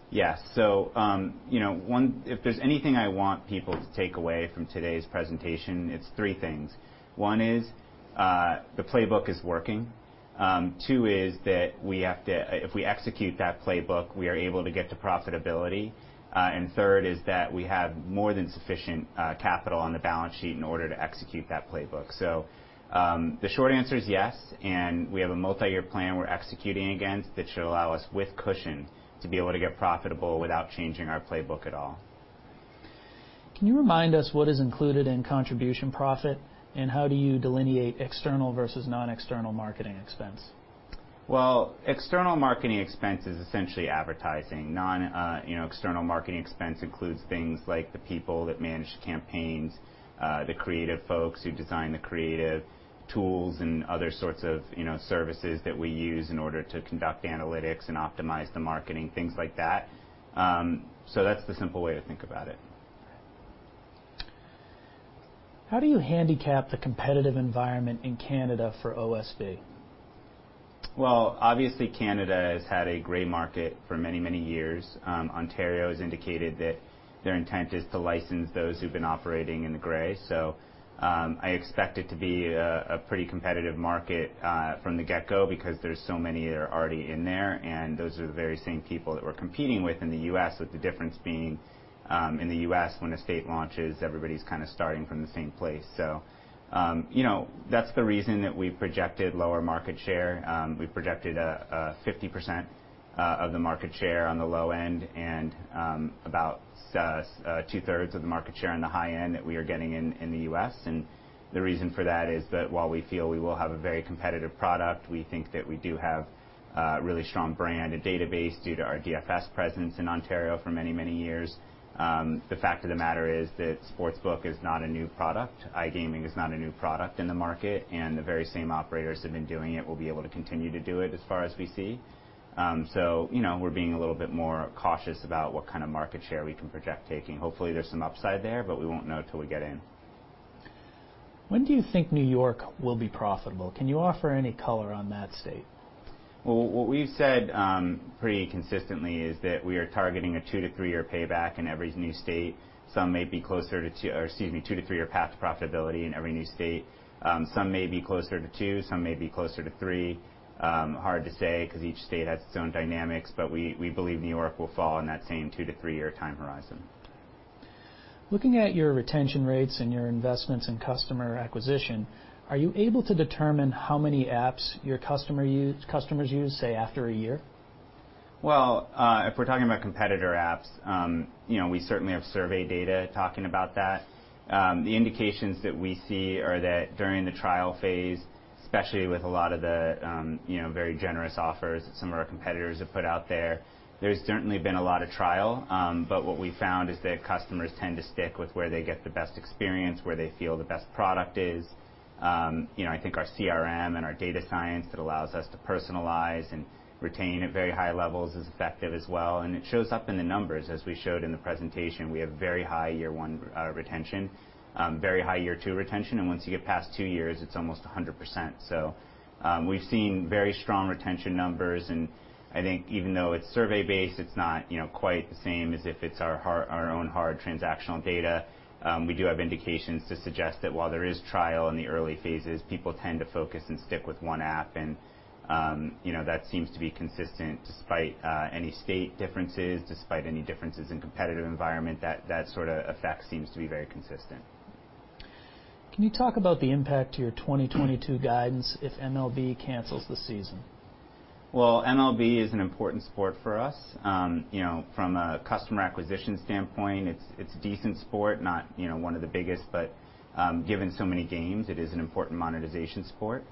Yeah. You know, one, if there's anything I want people to take away from today's presentation, it's three things. One is, the playbook is working. Two is that if we execute that playbook, we are able to get to profitability. Third is that we have more than sufficient capital on the balance sheet in order to execute that playbook. The short answer is yes, and we have a multi-year plan we're executing against that should allow us, with cushion, to be able to get profitable without changing our playbook at all. Can you remind us what is included in contribution profit, and how do you delineate external versus non-external marketing expense? Well, external marketing expense is essentially advertising. You know, external marketing expense includes things like the people that manage the campaigns, the creative folks who design the creative tools and other sorts of, you know, services that we use in order to conduct analytics and optimize the marketing, things like that. That's the simple way to think about it. How do you handicap the competitive environment in Canada for OSB? Well, obviously, Canada has had a gray market for many, many years. Ontario has indicated that their intent is to license those who've been operating in the gray. I expect it to be a pretty competitive market from the get-go because there's so many that are already in there, and those are the very same people that we're competing with in the U.S., with the difference being in the U.S. when a state launches, everybody's kinda starting from the same place. You know, that's the reason that we projected lower market share. We projected a 50% of the market share on the low end and about 2/3 of the market share on the high end that we are getting in the U.S. The reason for that is that while we feel we will have a very competitive product, we think that we do have a really strong brand, a database due to our DFS presence in Ontario for many, many years. The fact of the matter is that Sportsbook is not a new product. iGaming is not a new product in the market, and the very same operators have been doing it, will be able to continue to do it as far as we see. You know, we're being a little bit more cautious about what kind of market share we can project taking. Hopefully, there's some upside there, but we won't know till we get in. When do you think New York will be profitable? Can you offer any color on that state? Well, what we've said pretty consistently is that we are targeting a two to three-year path to profitability in every new state. Some may be closer to two, some may be closer to three. Hard to say 'cause each state has its own dynamics, but we believe New York will fall in that same two to three-year time horizon. Looking at your retention rates and your investments in customer acquisition, are you able to determine how many apps your customers use, say, after a year? Well, if we're talking about competitor apps, you know, we certainly have survey data talking about that. The indications that we see are that during the trial phase, especially with a lot of the, you know, very generous offers that some of our competitors have put out there's certainly been a lot of trial. What we found is that customers tend to stick with where they get the best experience, where they feel the best product is. You know, I think our CRM and our data science that allows us to personalize and retain at very high levels is effective as well, and it shows up in the numbers. As we showed in the presentation, we have very high year one retention, very high year two retention, and once you get past two years, it's almost 100%. We've seen very strong retention numbers, and I think even though it's survey-based, it's not, you know, quite the same as if it's our own hard transactional data. We do have indications to suggest that while there is trial in the early phases, people tend to focus and stick with one app. You know, that seems to be consistent despite any state differences, despite any differences in competitive environment. That sorta effect seems to be very consistent. Can you talk about the impact to your 2022 guidance if MLB cancels the season? Well, MLB is an important sport for us. You know, from a customer acquisition standpoint, it's a decent sport, not one of the biggest, but given so many games, it is an important monetization sport.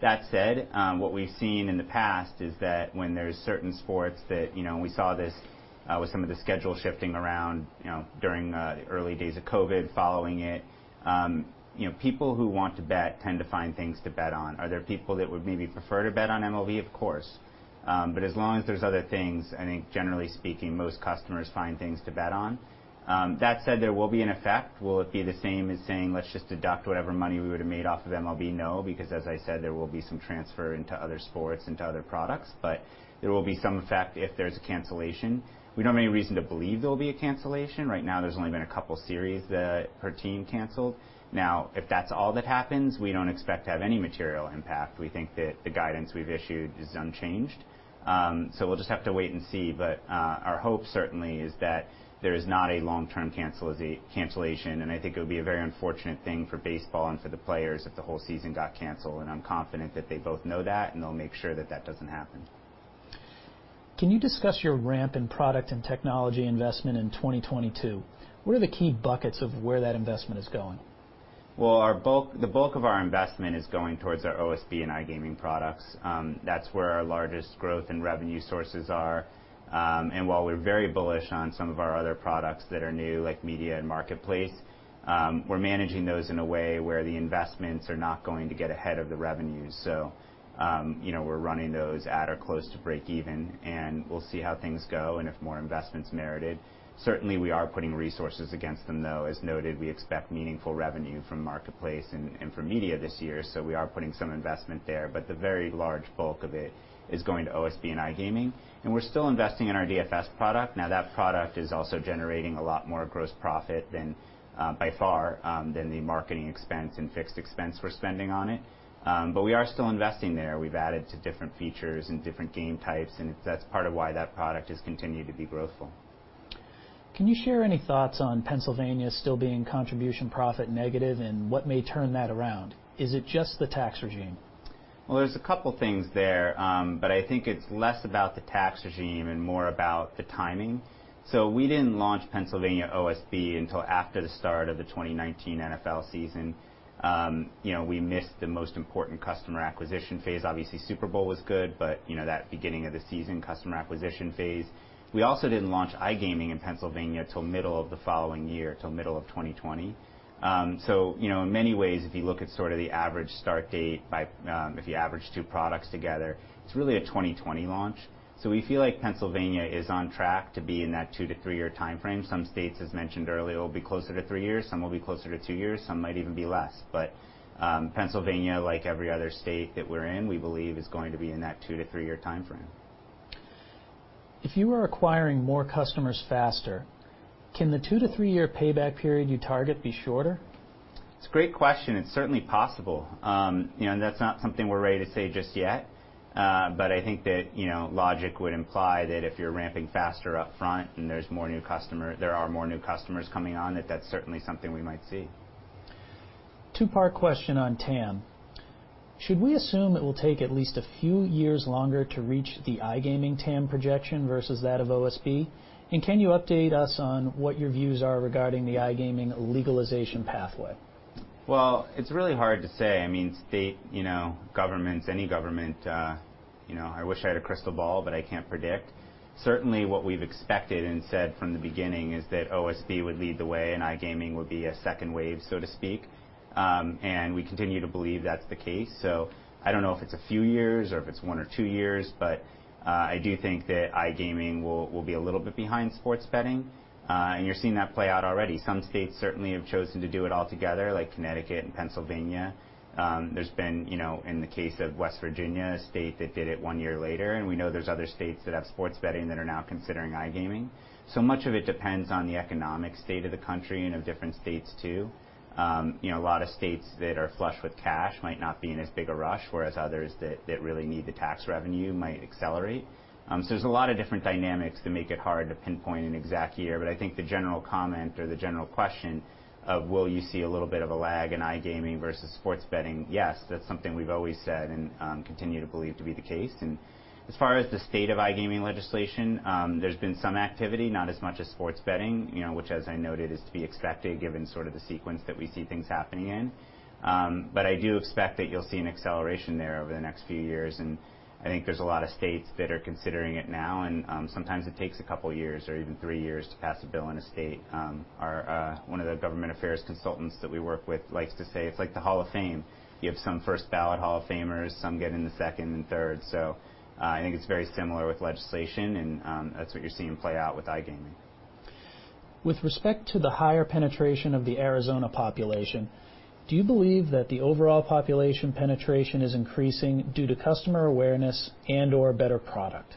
That said, what we've seen in the past is that when there's certain sports that, you know, we saw this with some of the schedule shifting around, you know, during the early days of COVID, following it, you know, people who want to bet tend to find things to bet on. Are there people that would maybe prefer to bet on MLB? Of course. As long as there's other things, I think generally speaking, most customers find things to bet on. That said, there will be an effect. Will it be the same as saying, let's just deduct whatever money we would have made off of MLB? No, because as I said, there will be some transfer into other sports, into other products. There will be some effect if there's a cancellation. We don't have any reason to believe there will be a cancellation. Right now, there's only been a couple series that per team canceled. Now, if that's all that happens, we don't expect to have any material impact. We think that the guidance we've issued is unchanged. We'll just have to wait and see. Our hope certainly is that there is not a long-term cancellation, and I think it would be a very unfortunate thing for baseball and for the players if the whole season got canceled. I'm confident that they both know that, and they'll make sure that that doesn't happen. Can you discuss your ramp in product and technology investment in 2022? What are the key buckets of where that investment is going? Well, the bulk of our investment is going towards our OSB and iGaming products. That's where our largest growth and revenue sources are. While we're very bullish on some of our other products that are new, like media and Marketplace, we're managing those in a way where the investments are not going to get ahead of the revenues. You know, we're running those at or close to breakeven, and we'll see how things go and if more investment's merited. Certainly, we are putting resources against them, though. As noted, we expect meaningful revenue from Marketplace and from media this year, so we are putting some investment there. The very large bulk of it is going to OSB and iGaming. We're still investing in our DFS product. Now, that product is also generating a lot more gross profit than by far the marketing expense and fixed expense we're spending on it. We are still investing there. We've added two different features and different game types, and that's part of why that product has continued to be growthful. Can you share any thoughts on Pennsylvania still being contribution profit negative, and what may turn that around? Is it just the tax regime? Well, there's a couple things there. I think it's less about the tax regime and more about the timing. We didn't launch Pennsylvania OSB until after the start of the 2019 NFL season. You know, we missed the most important customer acquisition phase. Obviously, Super Bowl was good, but you know, that beginning of the season customer acquisition phase. We also didn't launch iGaming in Pennsylvania till middle of the following year, till middle of 2020. You know, in many ways, if you look at sort of the average start date by, if you average two products together, it's really a 2020 launch. We feel like Pennsylvania is on track to be in that two to three-year timeframe. Some states, as mentioned earlier, will be closer to three years, some will be closer to two years, some might even be less. Pennsylvania, like every other state that we're in, we believe is going to be in that two to three-year timeframe. If you are acquiring more customers faster, can the two to three-year payback period you target be shorter? It's a great question. It's certainly possible. That's not something we're ready to say just yet. I think that, you know, logic would imply that if you're ramping faster up front and there are more new customers coming on, that that's certainly something we might see. Two-part question on TAM. Should we assume it will take at least a few years longer to reach the iGaming TAM projection versus that of OSB? Can you update us on what your views are regarding the iGaming legalization pathway? Well, it's really hard to say. I mean, state, you know, governments, any government, you know, I wish I had a crystal ball, but I can't predict. Certainly, what we've expected and said from the beginning is that OSB would lead the way and iGaming would be a second wave, so to speak. We continue to believe that's the case. I don't know if it's a few years or if it's one or two years, but I do think that iGaming will be a little bit behind sports betting. You're seeing that play out already. Some states certainly have chosen to do it all together, like Connecticut and Pennsylvania. There's been, you know, in the case of West Virginia, a state that did it one year later, and we know there's other states that have sports betting that are now considering iGaming. Much of it depends on the economic state of the country and of different states, too. You know, a lot of states that are flush with cash might not be in as big a rush, whereas others that really need the tax revenue might accelerate. There's a lot of different dynamics that make it hard to pinpoint an exact year. I think the general comment or the general question of will you see a little bit of a lag in iGaming versus sports betting, yes, that's something we've always said and continue to believe to be the case. As far as the state of iGaming legislation, there's been some activity, not as much as sports betting, you know, which as I noted, is to be expected given sort of the sequence that we see things happening in. I do expect that you'll see an acceleration there over the next few years. I think there's a lot of states that are considering it now. Sometimes it takes a couple years or even three years to pass a bill in a state. Our one of the government affairs consultants that we work with likes to say, "It's like the Hall of Fame. You have some first ballot Hall of Famers, some get in the second and third." I think it's very similar with legislation, and that's what you're seeing play out with iGaming. With respect to the higher penetration of the Arizona population, do you believe that the overall population penetration is increasing due to customer awareness and/or better product?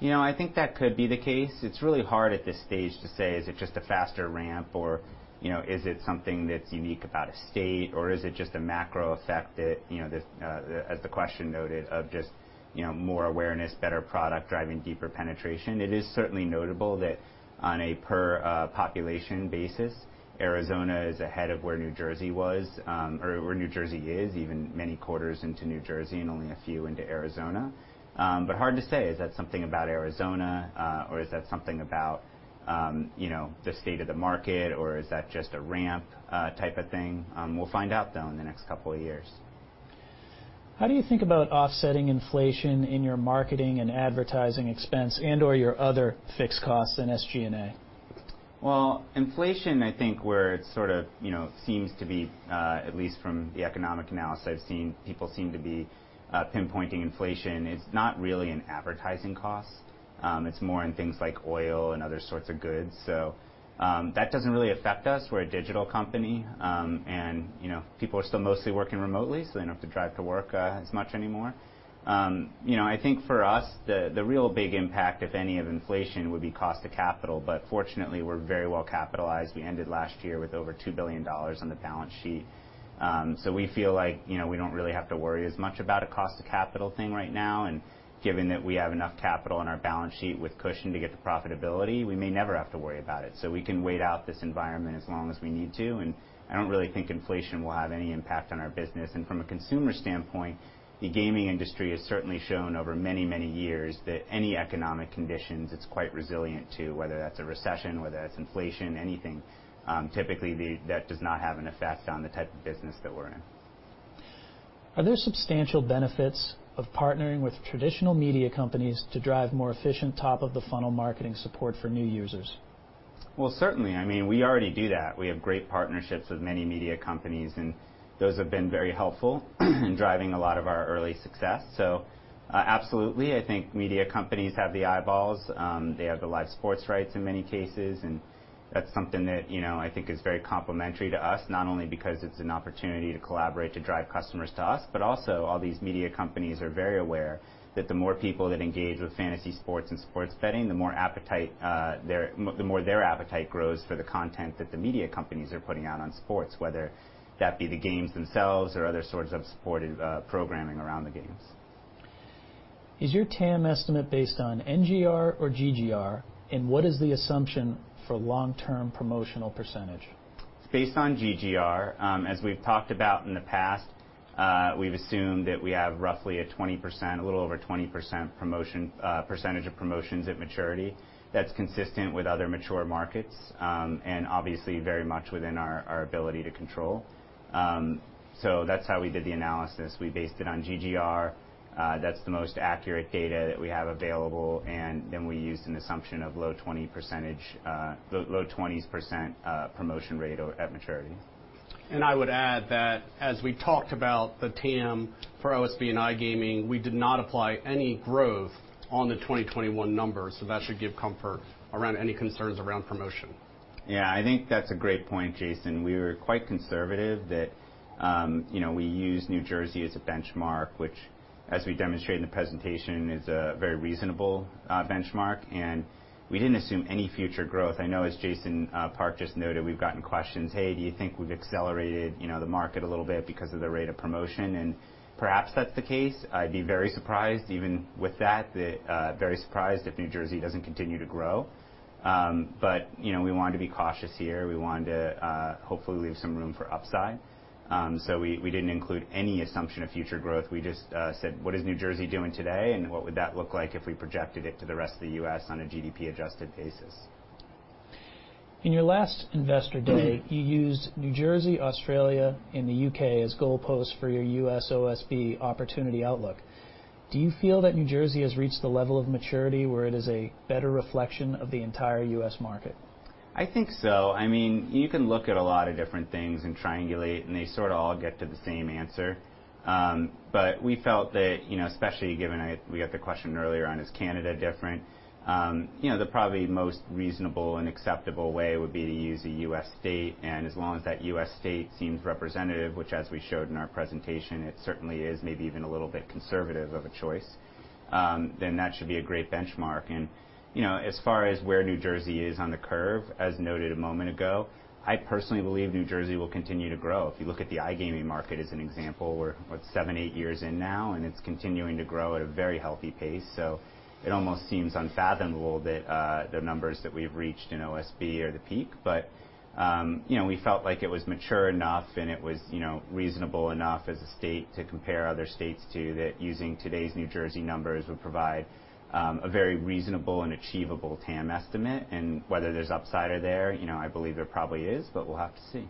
You know, I think that could be the case. It's really hard at this stage to say, is it just a faster ramp or, you know, is it something that's unique about a state, or is it just a macro effect that, you know, this, as the question noted, of just, you know, more awareness, better product driving deeper penetration. It is certainly notable that on a per population basis, Arizona is ahead of where New Jersey was, or where New Jersey is, even many quarters into New Jersey and only a few into Arizona. Hard to say. Is that something about Arizona, or is that something about, you know, the state of the market, or is that just a ramp type of thing? We'll find out, though, in the next couple of years. How do you think about offsetting inflation in your marketing and advertising expense and/or your other fixed costs in SG&A? Well, inflation, I think, where it sort of, you know, seems to be, at least from the economic analysis I've seen, people seem to be, pinpointing inflation, it's not really an advertising cost. It's more in things like oil and other sorts of goods. That doesn't really affect us. We're a digital company. You know, people are still mostly working remotely, so they don't have to drive to work, as much anymore. You know, I think for us, the real big impact, if any, of inflation would be cost of capital, but fortunately, we're very well capitalized. We ended last year with over $2 billion on the balance sheet. We feel like, you know, we don't really have to worry as much about a cost of capital thing right now. Given that we have enough capital on our balance sheet with cushion to get to profitability, we may never have to worry about it. We can wait out this environment as long as we need to, and I don't really think inflation will have any impact on our business. From a consumer standpoint, the gaming industry has certainly shown over many, many years that any economic conditions it's quite resilient to, whether that's a recession, whether that's inflation, anything. Typically, that does not have an effect on the type of business that we're in. Are there substantial benefits of partnering with traditional media companies to drive more efficient top of the funnel marketing support for new users? Well, certainly, I mean, we already do that. We have great partnerships with many media companies, and those have been very helpful in driving a lot of our early success. So, absolutely. I think media companies have the eyeballs. They have the live sports rights in many cases, and that's something that, you know, I think is very complementary to us, not only because it's an opportunity to collaborate to drive customers to us, but also all these media companies are very aware that the more people that engage with fantasy sports and sports betting, the more their appetite grows for the content that the media companies are putting out on sports, whether that be the games themselves or other sorts of supportive programming around the games. Is your TAM estimate based on NGR or GGR? What is the assumption for long-term promotional percentage? It's based on GGR. As we've talked about in the past, we've assumed that we have roughly a little over 20% promotion percentage of promotions at maturity that's consistent with other mature markets, and obviously very much within our ability to control. So that's how we did the analysis. We based it on GGR. That's the most accurate data that we have available, and then we used an assumption of low 20s% promotion rate at maturity. I would add that as we talked about the TAM for OSB and iGaming, we did not apply any growth on the 2021 numbers, so that should give comfort around any concerns around promotion. Yeah. I think that's a great point, Jason. We were quite conservative that, you know, we use New Jersey as a benchmark, which as we demonstrated in the presentation, is a very reasonable benchmark. We didn't assume any future growth. I know as Jason Park just noted, we've gotten questions, "Hey, do you think we've accelerated, you know, the market a little bit because of the rate of promotion?" Perhaps that's the case. I'd be very surprised even with that, very surprised if New Jersey doesn't continue to grow. You know, we wanted to be cautious here. We wanted to hopefully leave some room for upside. We didn't include any assumption of future growth. We just said, "What is New Jersey doing today, and what would that look like if we projected it to the rest of the U.S. on a GDP-adjusted basis? In your last Investor Day, you used New Jersey, Australia, and the U.K. as goalposts for your U.S. OSB opportunity outlook. Do you feel that New Jersey has reached the level of maturity where it is a better reflection of the entire U.S. market? I think so. I mean, you can look at a lot of different things and triangulate, and they sort of all get to the same answer. But we felt that, you know, especially given we got the question earlier on, is Canada different? You know, the most reasonable and acceptable way would be to use a U.S. state, and as long as that U.S. state seems representative, which as we showed in our presentation, it certainly is maybe even a little bit conservative of a choice, then that should be a great benchmark. You know, as far as where New Jersey is on the curve, as noted a moment ago, I personally believe New Jersey will continue to grow. If you look at the iGaming market as an example, we're, what, seven, eight years in now, and it's continuing to grow at a very healthy pace. It almost seems unfathomable that, the numbers that we've reached in OSB are the peak. You know, we felt like it was mature enough, and it was, you know, reasonable enough as a state to compare other states to that using today's New Jersey numbers would provide, a very reasonable and achievable TAM estimate. Whether there's upside or there, you know, I believe there probably is, but we'll have to see.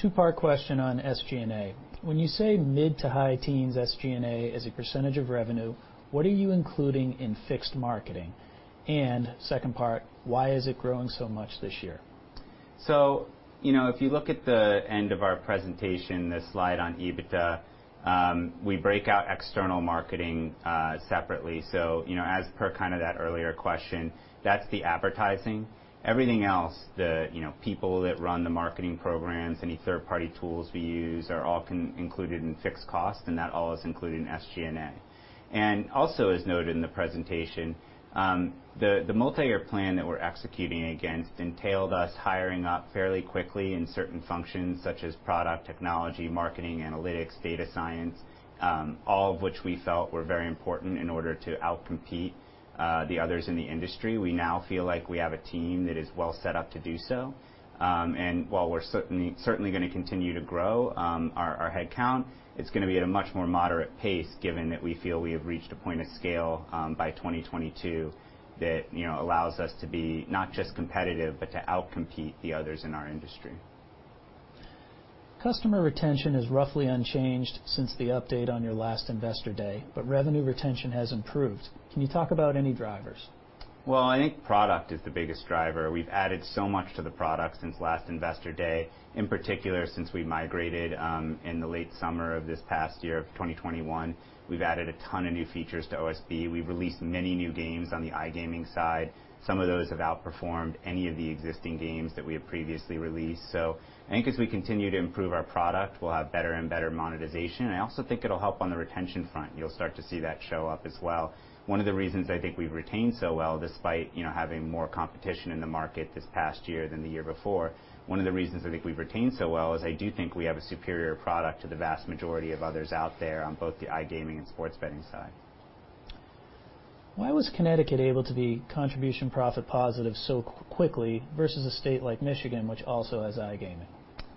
Two-part question on SG&A. When you say mid to high teens SG&A as a percentage of revenue, what are you including in fixed marketing? Second part, why is it growing so much this year? You know, if you look at the end of our presentation, the slide on EBITDA, we break out external marketing separately. You know, as per kind of that earlier question, that's the advertising. Everything else, you know, people that run the marketing programs, any third-party tools we use are all included in fixed cost, and that all is included in SG&A. Also, as noted in the presentation, the multi-year plan that we're executing against entailed us hiring up fairly quickly in certain functions such as product technology, marketing, analytics, data science, all of which we felt were very important in order to outcompete the others in the industry. We now feel like we have a team that is well set up to do so. While we're certainly gonna continue to grow our head count, it's gonna be at a much more moderate pace given that we feel we have reached a point of scale by 2022 that, you know, allows us to be not just competitive, but to outcompete the others in our industry. Customer retention is roughly unchanged since the update on your last Investor Day, but revenue retention has improved. Can you talk about any drivers? Well, I think product is the biggest driver. We've added so much to the product since last Investor Day, in particular, since we migrated in the late summer of this past year of 2021. We've added a ton of new features to OSB. We've released many new games on the iGaming side. Some of those have outperformed any of the existing games that we have previously released. I think as we continue to improve our product, we'll have better and better monetization. I also think it'll help on the retention front. You'll start to see that show up as well. One of the reasons I think we've retained so well despite, you know, having more competition in the market this past year than the year before, is I do think we have a superior product to the vast majority of others out there on both the iGaming and sports betting side. Why was Connecticut able to be contribution profit positive so quickly versus a state like Michigan, which also has iGaming?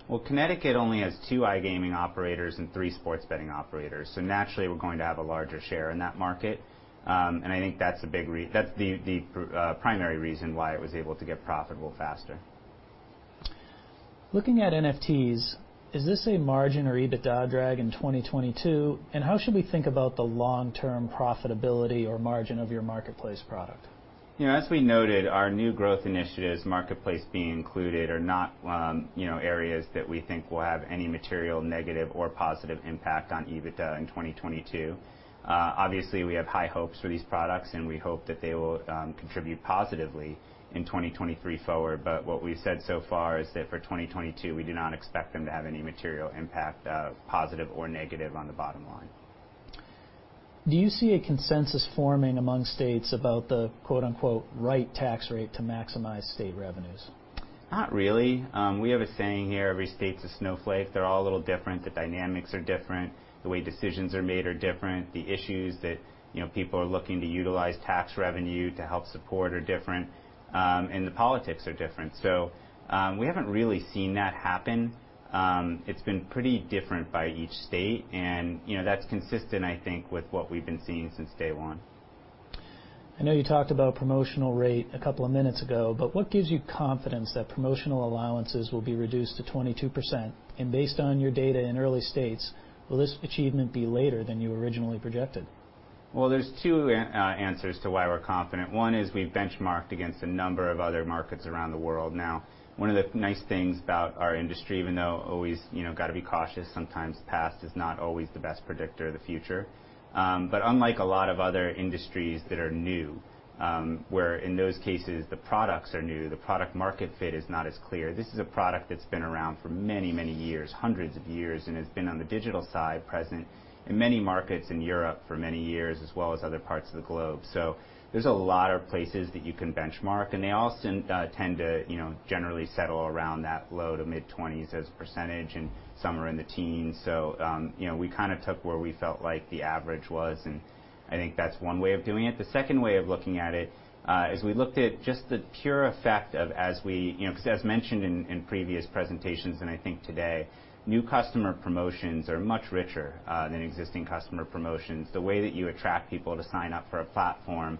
Well, Connecticut only has two iGaming operators and three sports betting operators, so naturally we're going to have a larger share in that market. I think that's the primary reason why it was able to get profitable faster. Looking at NFTs, is this a margin or EBITDA drag in 2022? How should we think about the long-term profitability or margin of your Marketplace product? You know, as we noted, our new growth initiatives, Marketplace being included, are not, you know, areas that we think will have any material negative or positive impact on EBITDA in 2022. Obviously, we have high hopes for these products, and we hope that they will contribute positively in 2023 forward. What we've said so far is that for 2022, we do not expect them to have any material impact, positive or negative on the bottom line. Do you see a consensus forming among states about the quote, unquote, "right tax rate to maximize state revenues? Not really. We have a saying here, every state's a snowflake. They're all a little different. The dynamics are different, the way decisions are made are different. The issues that, you know, people are looking to utilize tax revenue to help support are different, and the politics are different. We haven't really seen that happen. It's been pretty different by each state and, you know, that's consistent, I think, with what we've been seeing since day one. I know you talked about promotional rate a couple of minutes ago, but what gives you confidence that promotional allowances will be reduced to 22%? Based on your data in early states, will this achievement be later than you originally projected? Well, there's two answers to why we're confident. One is we've benchmarked against a number of other markets around the world. Now, one of the nice things about our industry, even though always, you know, gotta be cautious, sometimes past is not always the best predictor of the future. But unlike a lot of other industries that are new, where in those cases the products are new, the product market fit is not as clear. This is a product that's been around for many, many years, hundreds of years, and has been on the digital side present in many markets in Europe for many years, as well as other parts of the globe. There's a lot of places that you can benchmark, and they all tend to, you know, generally settle around that low to mid-20s%, and some are in the teens. You know, we kind of took where we felt like the average was, and I think that's one way of doing it. The second way of looking at it is we looked at just the pure effect of, as mentioned in previous presentations and I think today, new customer promotions are much richer than existing customer promotions. The way that you attract people to sign up for a platform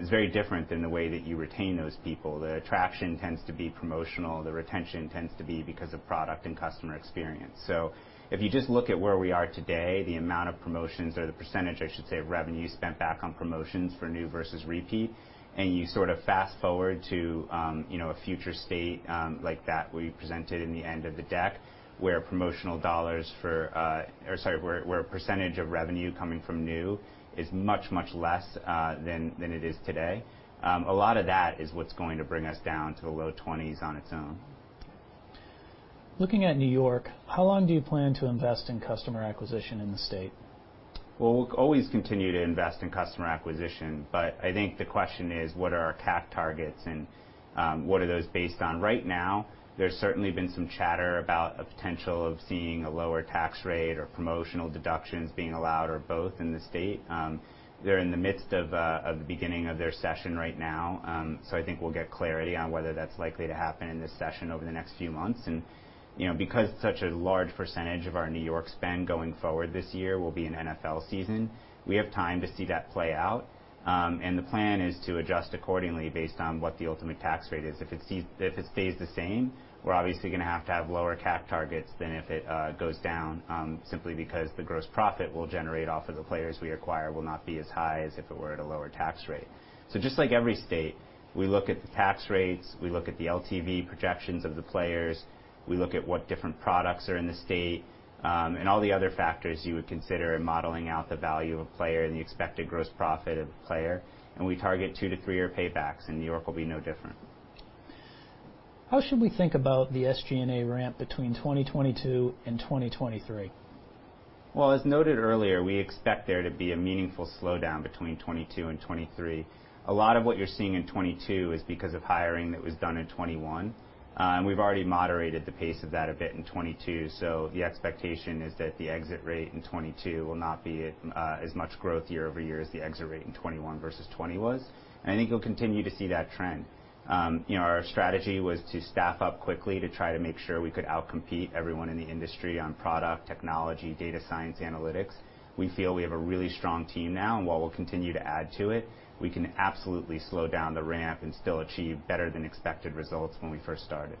is very different than the way that you retain those people. The attraction tends to be promotional, the retention tends to be because of product and customer experience. If you just look at where we are today, the amount of promotions or the percentage, I should say, of revenue spent back on promotions for new versus repeat, and you sort of fast-forward to, you know, a future state like that we presented in the end of the deck, where a percentage of revenue coming from new is much, much less than it is today. A lot of that is what's going to bring us down to the low 20s% on its own. Looking at New York, how long do you plan to invest in customer acquisition in the state? Well, we'll always continue to invest in customer acquisition, but I think the question is what are our CAC targets and what are those based on? Right now, there's certainly been some chatter about a potential of seeing a lower tax rate or promotional deductions being allowed or both in the state. They're in the midst of the beginning of their session right now. I think we'll get clarity on whether that's likely to happen in this session over the next few months. You know, because such a large percentage of our New York spend going forward this year will be in NFL season, we have time to see that play out. The plan is to adjust accordingly based on what the ultimate tax rate is. If it stays the same, we're obviously gonna have to have lower CAC targets than if it goes down, simply because the gross profit we'll generate off of the players we acquire will not be as high as if it were at a lower tax rate. Just like every state, we look at the tax rates, we look at the LTV projections of the players, we look at what different products are in the state, and all the other factors you would consider in modeling out the value of a player and the expected gross profit of a player, and we target two to three-year paybacks, and New York will be no different. How should we think about the SG&A ramp between 2022 and 2023? As noted earlier, we expect there to be a meaningful slowdown between 2022 and 2023. A lot of what you're seeing in 2022 is because of hiring that was done in 2021. We've already moderated the pace of that a bit in 2022. The expectation is that the exit rate in 2022 will not be at as much growth year-over-year as the exit rate in 2021 versus 2020 was. I think you'll continue to see that trend. You know, our strategy was to staff up quickly to try to make sure we could out-compete everyone in the industry on product, technology, data science, analytics. We feel we have a really strong team now, and while we'll continue to add to it, we can absolutely slow down the ramp and still achieve better than expected results when we first started.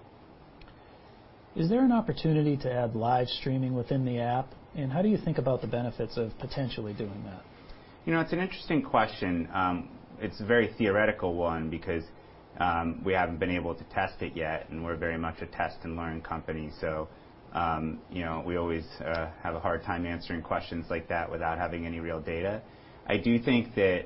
Is there an opportunity to add live streaming within the app? How do you think about the benefits of potentially doing that? You know, it's an interesting question. It's a very theoretical one because we haven't been able to test it yet, and we're very much a test and learn company. You know, we always have a hard time answering questions like that without having any real data. I do think that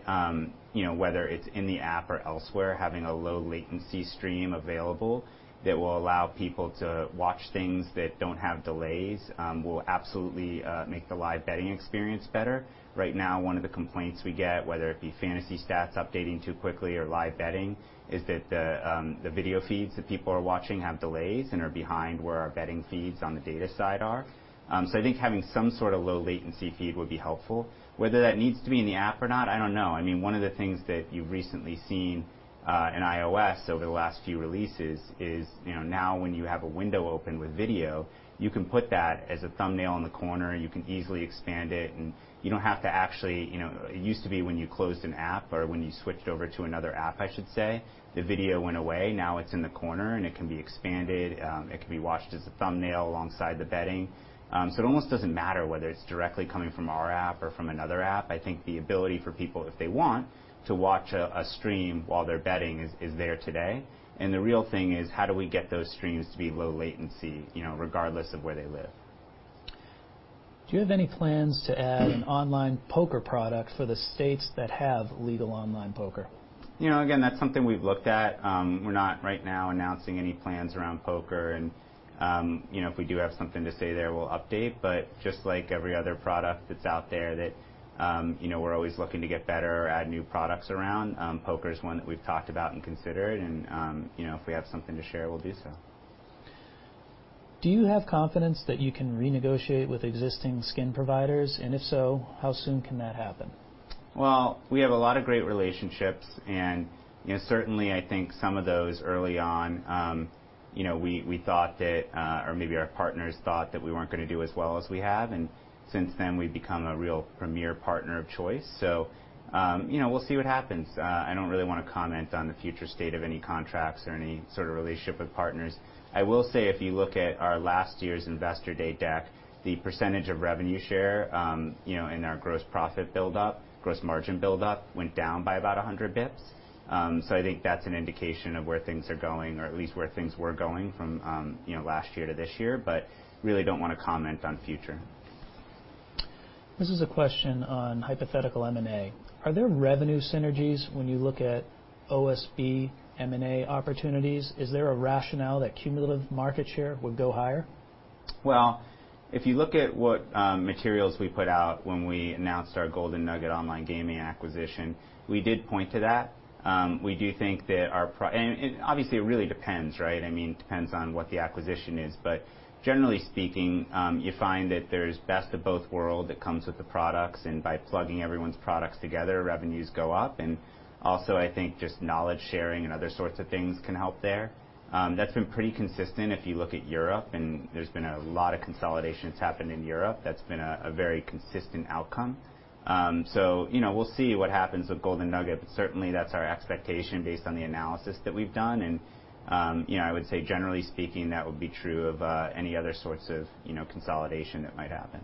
you know, whether it's in the app or elsewhere, having a low latency stream available that will allow people to watch things that don't have delays will absolutely make the live betting experience better. Right now, one of the complaints we get, whether it be fantasy stats updating too quickly or live betting, is that the video feeds that people are watching have delays and are behind where our betting feeds on the data side are. I think having some sort of low latency feed would be helpful. Whether that needs to be in the app or not, I don't know. I mean, one of the things that you've recently seen in iOS over the last few releases is, you know, now when you have a window open with video, you can put that as a thumbnail in the corner, you can easily expand it, and you don't have to actually. You know, it used to be when you closed an app or when you switched over to another app, I should say, the video went away. Now it's in the corner and it can be expanded, it can be watched as a thumbnail alongside the betting. It almost doesn't matter whether it's directly coming from our app or from another app. I think the ability for people, if they want, to watch a stream while they're betting is there today. The real thing is how do we get those streams to be low latency, you know, regardless of where they live? Do you have any plans to add an online poker product for the states that have legal online poker? You know, again, that's something we've looked at. We're not right now announcing any plans around poker and, you know, if we do have something to say there, we'll update. Just like every other product that's out there that, you know, we're always looking to get better or add new products around, poker is one that we've talked about and considered and, you know, if we have something to share, we'll do so. Do you have confidence that you can renegotiate with existing skin providers? If so, how soon can that happen? Well, we have a lot of great relationships, and, you know, certainly I think some of those early on, you know, we thought that, or maybe our partners thought that we weren't gonna do as well as we have. Since then, we've become a real premier partner of choice. You know, we'll see what happens. I don't really wanna comment on the future state of any contracts or any sort of relationship with partners. I will say, if you look at our last year's Investor Day deck, the percentage of revenue share, you know, in our gross profit build-up, gross margin build-up went down by about 100 basis points. I think that's an indication of where things are going or at least where things were going from, you know, last year to this year. Really don't wanna comment on future. This is a question on hypothetical M&A. Are there revenue synergies when you look at OSB M&A opportunities? Is there a rationale that cumulative market share would go higher? Well, if you look at what materials we put out when we announced our Golden Nugget Online Gaming acquisition, we did point to that. We do think that and obviously, it really depends, right? I mean, it depends on what the acquisition is. Generally speaking, you find that there's best of both world that comes with the products, and by plugging everyone's products together, revenues go up, and also I think just knowledge sharing and other sorts of things can help there. That's been pretty consistent if you look at Europe, and there's been a lot of consolidations happen in Europe. That's been a very consistent outcome. You know, we'll see what happens with Golden Nugget, but certainly that's our expectation based on the analysis that we've done. You know, I would say generally speaking, that would be true of any other sorts of, you know, consolidation that might happen.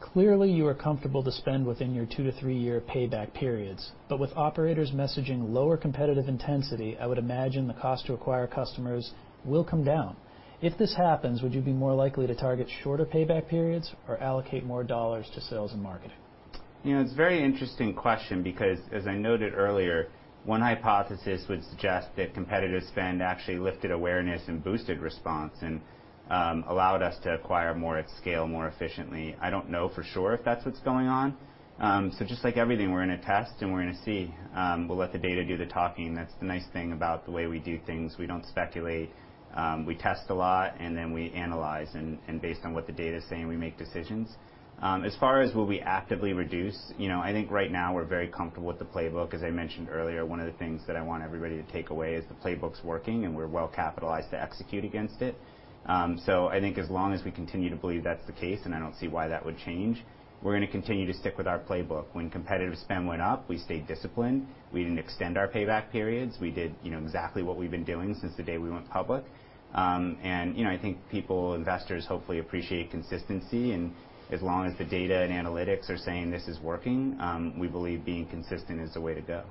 Clearly, you are comfortable to spend within your two to three-year payback periods. With operators messaging lower competitive intensity, I would imagine the cost to acquire customers will come down. If this happens, would you be more likely to target shorter payback periods or allocate more dollars to sales and marketing? You know, it's a very interesting question because, as I noted earlier, one hypothesis would suggest that competitive spend actually lifted awareness and boosted response and allowed us to acquire more at scale more efficiently. I don't know for sure if that's what's going on. So just like everything, we're gonna test, and we're gonna see. We'll let the data do the talking. That's the nice thing about the way we do things. We don't speculate. We test a lot, and then we analyze and based on what the data is saying, we make decisions. As far as will we actively reduce, you know, I think right now we're very comfortable with the playbook. As I mentioned earlier, one of the things that I want everybody to take away is the playbook's working, and we're well-capitalized to execute against it. I think as long as we continue to believe that's the case, and I don't see why that would change, we're gonna continue to stick with our playbook. When competitive spend went up, we stayed disciplined. We didn't extend our payback periods. We did, you know, exactly what we've been doing since the day we went public. You know, I think people, investors hopefully appreciate consistency. As long as the data and analytics are saying this is working, we believe being consistent is the way to go.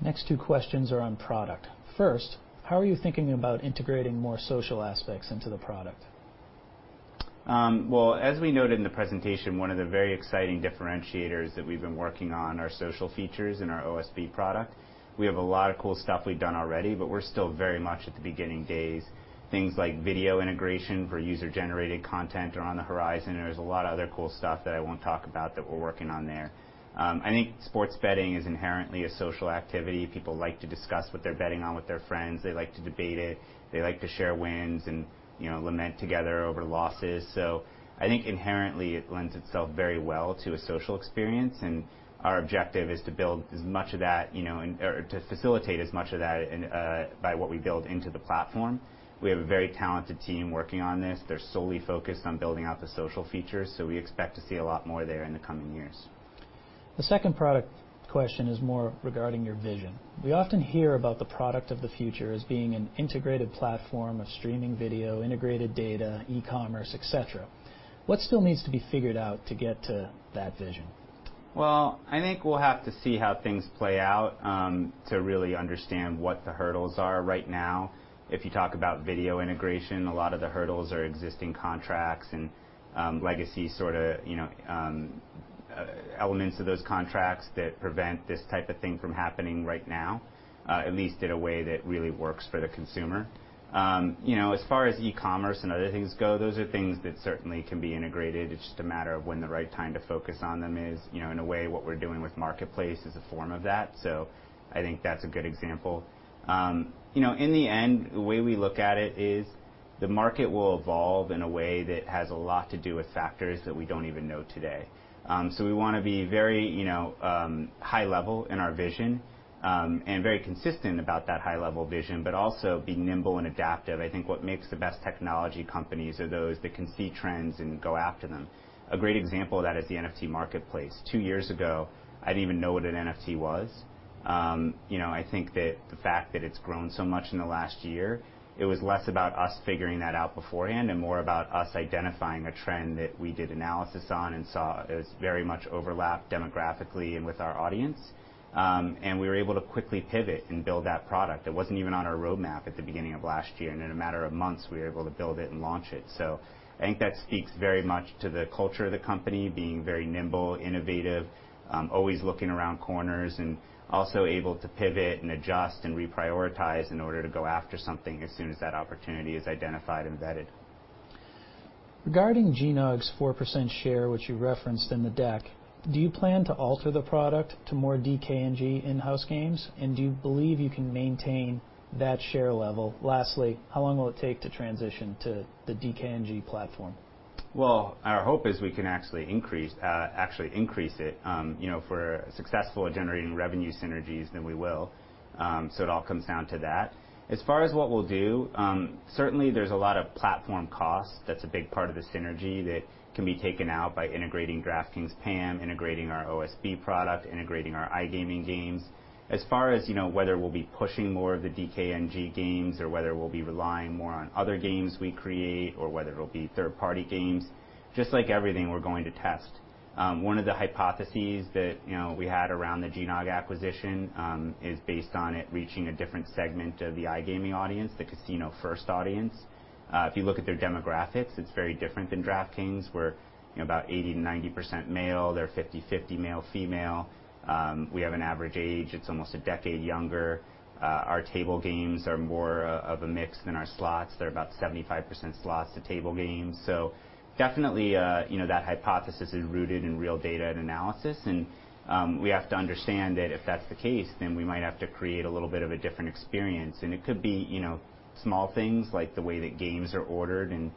Next two questions are on product. First, how are you thinking about integrating more social aspects into the product? Well, as we noted in the presentation, one of the very exciting differentiators that we've been working on are social features in our OSB product. We have a lot of cool stuff we've done already, but we're still very much at the beginning days. Things like video integration for user-generated content are on the horizon, and there's a lot of other cool stuff that I won't talk about that we're working on there. I think sports betting is inherently a social activity. People like to discuss what they're betting on with their friends. They like to debate it. They like to share wins and, you know, lament together over losses. I think inherently it lends itself very well to a social experience, and our objective is to build as much of that, you know, or to facilitate as much of that in, by what we build into the platform. We have a very talented team working on this. They're solely focused on building out the social features. We expect to see a lot more there in the coming years. The second product question is more regarding your vision. We often hear about the product of the future as being an integrated platform of streaming video, integrated data, e-commerce, et cetera. What still needs to be figured out to get to that vision? Well, I think we'll have to see how things play out, to really understand what the hurdles are right now. If you talk about video integration, a lot of the hurdles are existing contracts and, legacy sorta, you know, elements of those contracts that prevent this type of thing from happening right now, at least in a way that really works for the consumer. You know, as far as e-commerce and other things go, those are things that certainly can be integrated. It's just a matter of when the right time to focus on them is. You know, in a way, what we're doing with Marketplace is a form of that, so I think that's a good example. You know, in the end, the way we look at it is the market will evolve in a way that has a lot to do with factors that we don't even know today. We wanna be very, you know, high level in our vision, and very consistent about that high-level vision, but also be nimble and adaptive. I think what makes the best technology companies are those that can see trends and go after them. A great example of that is the NFT Marketplace. Two years ago, I didn't even know what an NFT was. You know, I think that the fact that it's grown so much in the last year. It was less about us figuring that out beforehand and more about us identifying a trend that we did analysis on and saw it was very much overlapped demographically and with our audience. We were able to quickly pivot and build that product. It wasn't even on our roadmap at the beginning of last year, and in a matter of months, we were able to build it and launch it. I think that speaks very much to the culture of the company being very nimble, innovative, always looking around corners and also able to pivot and adjust and reprioritize in order to go after something as soon as that opportunity is identified and vetted. Regarding GNOG's 4% share, which you referenced in the deck, do you plan to alter the product to more DKNG in-house games? And do you believe you can maintain that share level? Lastly, how long will it take to transition to the DKNG platform? Well, our hope is we can actually increase it. You know, if we're successful at generating revenue synergies, then we will. It all comes down to that. As far as what we'll do, certainly there's a lot of platform costs. That's a big part of the synergy that can be taken out by integrating DraftKings PAM, integrating our OSB product, integrating our iGaming games. As far as, you know, whether we'll be pushing more of the DKNG games or whether we'll be relying more on other games we create or whether it'll be third-party games, just like everything, we're going to test. One of the hypotheses that, you know, we had around the GNOG acquisition, is based on it reaching a different segment of the iGaming audience, the casino-first audience. If you look at their demographics, it's very different than DraftKings, where, you know, about 80%-90% male. They're 50/50 male/female. We have an average age. It's almost a decade younger. Our table games are more of a mix than our slots. They're about 75% slots to table games. Definitely, you know, that hypothesis is rooted in real data and analysis. We have to understand that if that's the case, then we might have to create a little bit of a different experience. It could be, you know, small things like the way that games are ordered and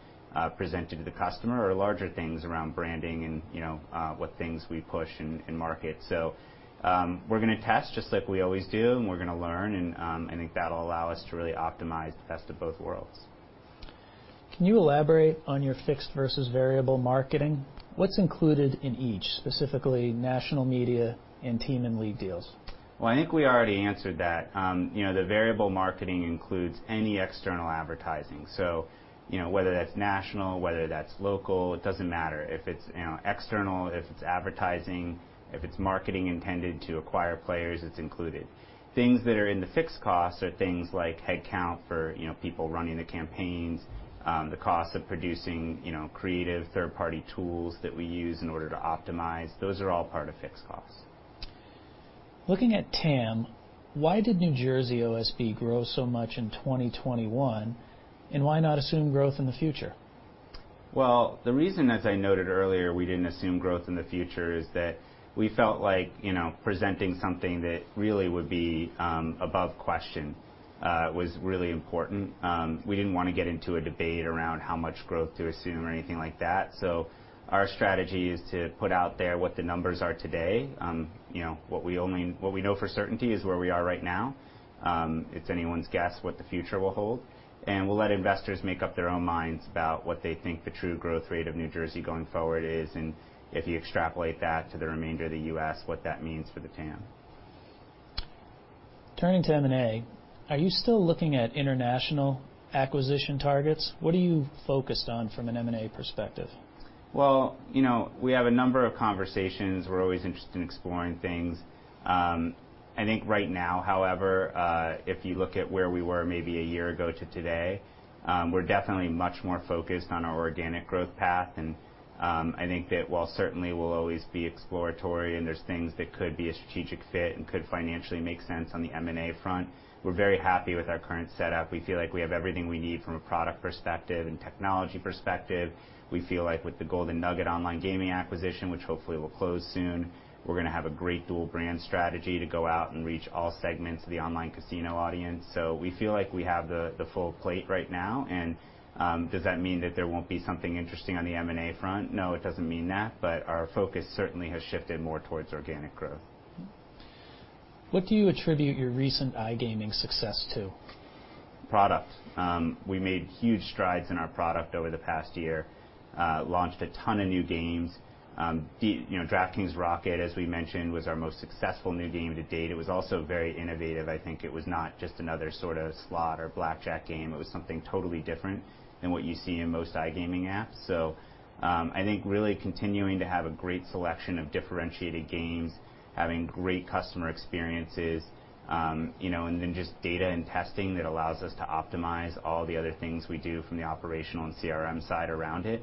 presented to the customer or larger things around branding and, you know, what things we push in market. We're gonna test just like we always do, and we're gonna learn and, I think that'll allow us to really optimize the best of both worlds. Can you elaborate on your fixed versus variable marketing? What's included in each, specifically national media and team and league deals? Well, I think we already answered that. You know, the variable marketing includes any external advertising. You know, whether that's national, whether that's local, it doesn't matter. If it's, you know, external, if it's advertising, if it's marketing intended to acquire players, it's included. Things that are in the fixed costs are things like headcount for, you know, people running the campaigns, the cost of producing, you know, creative third-party tools that we use in order to optimize. Those are all part of fixed costs. Looking at TAM, why did New Jersey OSB grow so much in 2021, and why not assume growth in the future? Well, the reason, as I noted earlier, we didn't assume growth in the future is that we felt like, you know, presenting something that really would be above question was really important. We didn't wanna get into a debate around how much growth to assume or anything like that. Our strategy is to put out there what the numbers are today. You know, what we know for certainty is where we are right now. It's anyone's guess what the future will hold. We'll let investors make up their own minds about what they think the true growth rate of New Jersey going forward is, and if you extrapolate that to the remainder of the U.S., what that means for the TAM. Turning to M&A, are you still looking at international acquisition targets? What are you focused on from an M&A perspective? Well, you know, we have a number of conversations. We're always interested in exploring things. I think right now, however, if you look at where we were maybe a year ago to today, we're definitely much more focused on our organic growth path. I think that while certainly we'll always be exploratory and there's things that could be a strategic fit and could financially make sense on the M&A front, we're very happy with our current setup. We feel like we have everything we need from a product perspective and technology perspective. We feel like with the Golden Nugget Online Gaming acquisition, which hopefully will close soon, we're gonna have a great dual brand strategy to go out and reach all segments of the online casino audience. We feel like we have the full plate right now. Does that mean that there won't be something interesting on the M&A front? No, it doesn't mean that, but our focus certainly has shifted more towards organic growth. What do you attribute your recent iGaming success to? Product. We made huge strides in our product over the past year, launched a ton of new games. The, you know, DraftKings Rocket, as we mentioned, was our most successful new game to date. It was also very innovative. I think it was not just another sort of slot or blackjack game. It was something totally different than what you see in most iGaming apps. I think really continuing to have a great selection of differentiated games, having great customer experiences, you know, and then just data and testing that allows us to optimize all the other things we do from the operational and CRM side around it.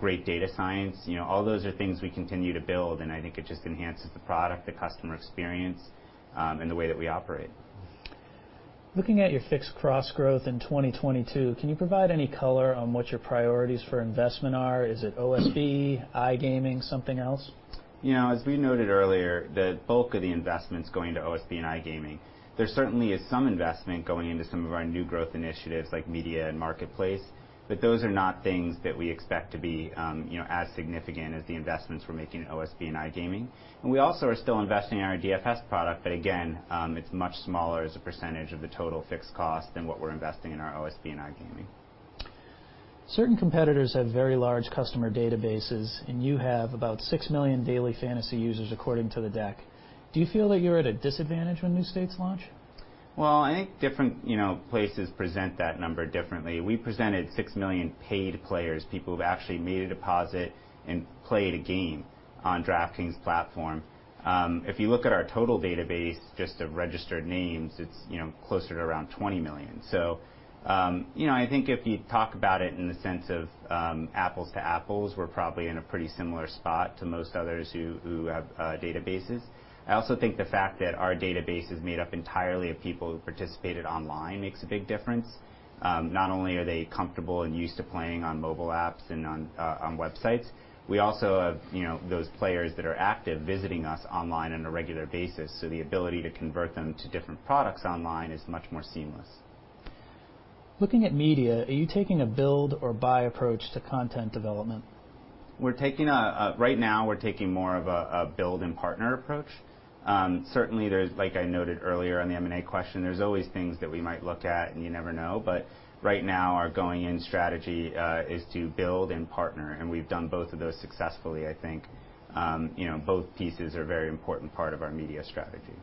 Great data science. You know, all those are things we continue to build, and I think it just enhances the product, the customer experience, and the way that we operate. Looking at your fixed costs growth in 2022, can you provide any color on what your priorities for investment are? Is it OSB, iGaming, something else? You know, as we noted earlier, the bulk of the investment's going to OSB and iGaming. There certainly is some investment going into some of our new growth initiatives like media and Marketplace, but those are not things that we expect to be, you know, as significant as the investments we're making in OSB and iGaming. We also are still investing in our DFS product, but again, it's much smaller as a percentage of the total fixed cost than what we're investing in our OSB and iGaming. Certain competitors have very large customer databases, and you have about 6 million daily fantasy users according to the deck. Do you feel that you're at a disadvantage when new states launch? Well, I think different, you know, places present that number differently. We presented 6 million paid players, people who've actually made a deposit and played a game on DraftKings platform. If you look at our total database just of registered names, it's, you know, closer to around 20 million. I think if you talk about it in the sense of apples to apples, we're probably in a pretty similar spot to most others who have databases. I also think the fact that our database is made up entirely of people who participated online makes a big difference. Not only are they comfortable and used to playing on mobile apps and on websites, we also have, you know, those players that are active visiting us online on a regular basis, so the ability to convert them to different products online is much more seamless. Looking at media, are you taking a build or buy approach to content development? Right now, we're taking more of a build and partner approach. Certainly, there's like I noted earlier on the M&A question, there's always things that we might look at, and you never know, but right now our going-in strategy is to build and partner, and we've done both of those successfully, I think. You know, both pieces are a very important part of our media strategy.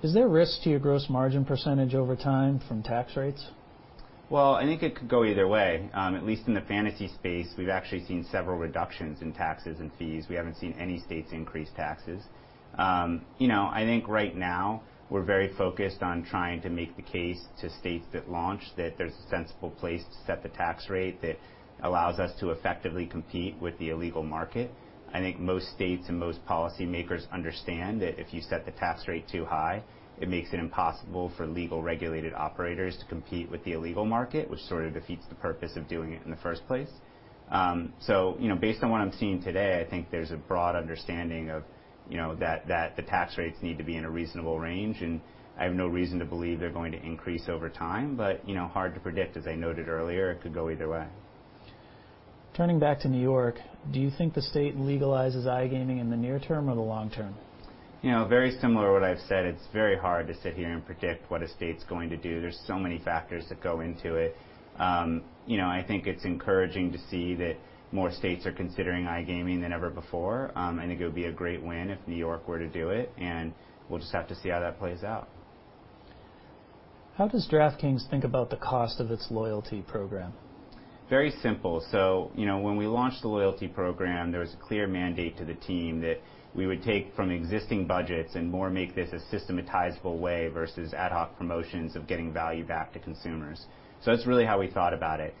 Is there risk to your gross margin percentage over time from tax rates? Well, I think it could go either way. At least in the fantasy space, we've actually seen several reductions in taxes and fees. We haven't seen any states increase taxes. You know, I think right now we're very focused on trying to make the case to states that launch that there's a sensible place to set the tax rate that allows us to effectively compete with the illegal market. I think most states and most policymakers understand that if you set the tax rate too high, it makes it impossible for legal regulated operators to compete with the illegal market, which sort of defeats the purpose of doing it in the first place. You know, based on what I'm seeing today, I think there's a broad understanding of, you know, that the tax rates need to be in a reasonable range, and I have no reason to believe they're going to increase over time. You know, hard to predict, as I noted earlier. It could go either way. Turning back to New York, do you think the state legalizes iGaming in the near term or the long term? You know, very similar to what I've said, it's very hard to sit here and predict what a state's going to do. There's so many factors that go into it. You know, I think it's encouraging to see that more states are considering iGaming than ever before. I think it would be a great win if New York were to do it, and we'll just have to see how that plays out. How does DraftKings think about the cost of its loyalty program? Very simple. You know, when we launched the loyalty program, there was a clear mandate to the team that we would take from existing budgets and more make this a systematizable way versus ad hoc promotions of getting value back to consumers. That's really how we thought about it.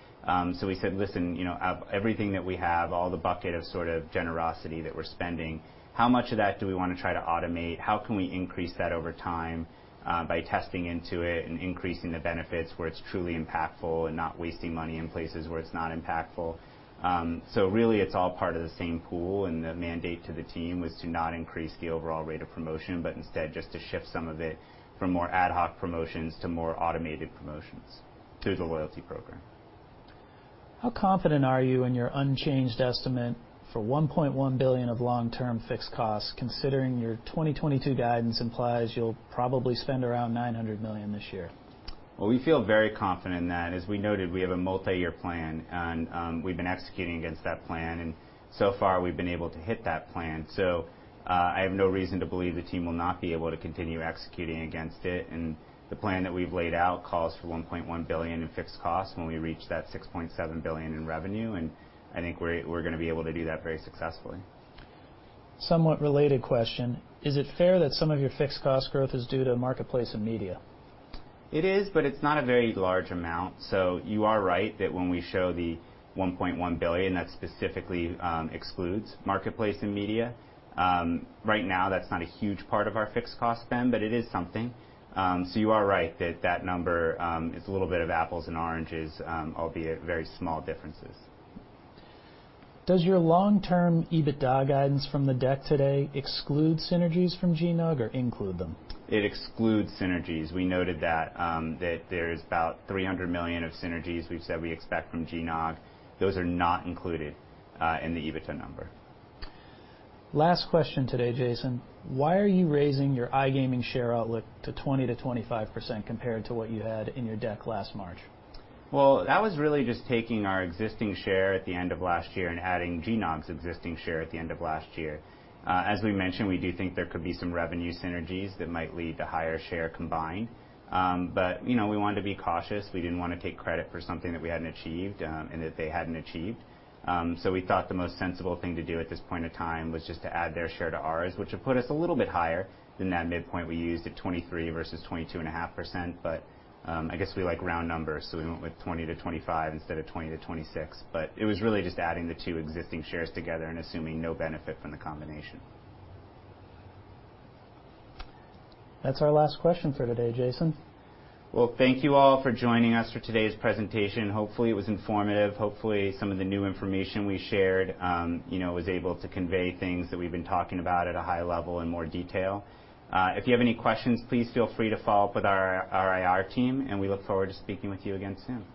We said, "Listen, you know, out of everything that we have, all the bucket of sort of generosity that we're spending, how much of that do we wanna try to automate? How can we increase that over time, by testing into it and increasing the benefits where it's truly impactful and not wasting money in places where it's not impactful?" Really, it's all part of the same pool, and the mandate to the team was to not increase the overall rate of promotion, but instead just to shift some of it from more ad hoc promotions to more automated promotions to the loyalty program. How confident are you in your unchanged estimate for $1.1 billion of long-term fixed costs, considering your 2022 guidance implies you'll probably spend around $900 million this year? Well, we feel very confident in that. As we noted, we have a multiyear plan, and we've been executing against that plan, and so far, we've been able to hit that plan. So, I have no reason to believe the team will not be able to continue executing against it. The plan that we've laid out calls for $1.1 billion in fixed costs when we reach that $6.7 billion in revenue, and I think we're gonna be able to do that very successfully. Somewhat related question: Is it fair that some of your fixed cost growth is due to Marketplace and media? It is, but it's not a very large amount. You are right that when we show the $1.1 billion, that specifically excludes Marketplace and media. Right now, that's not a huge part of our fixed cost spend, but it is something. You are right that that number is a little bit of apples and oranges, albeit very small differences. Does your long-term EBITDA guidance from the deck today exclude synergies from GNOG or include them? It excludes synergies. We noted that there's about $300 million of synergies we've said we expect from GNOG. Those are not included in the EBITDA number. Last question today, Jason: Why are you raising your iGaming share goal to 20%-25% compared to what you had in your deck last March? Well, that was really just taking our existing share at the end of last year and adding GNOG's existing share at the end of last year. As we mentioned, we do think there could be some revenue synergies that might lead to higher share combined. You know, we wanted to be cautious. We didn't wanna take credit for something that we hadn't achieved, and that they hadn't achieved. We thought the most sensible thing to do at this point of time was just to add their share to ours, which would put us a little bit higher than that midpoint we used at 23% versus 22.5%. I guess we like round numbers, so we went with 20%-25% instead of 20%-26%. It was really just adding the two existing shares together and assuming no benefit from the combination. That's our last question for today, Jason. Well, thank you all for joining us for today's presentation. Hopefully, it was informative. Hopefully, some of the new information we shared, you know, was able to convey things that we've been talking about at a high level in more detail. If you have any questions, please feel free to follow up with our IR team, and we look forward to speaking with you again soon.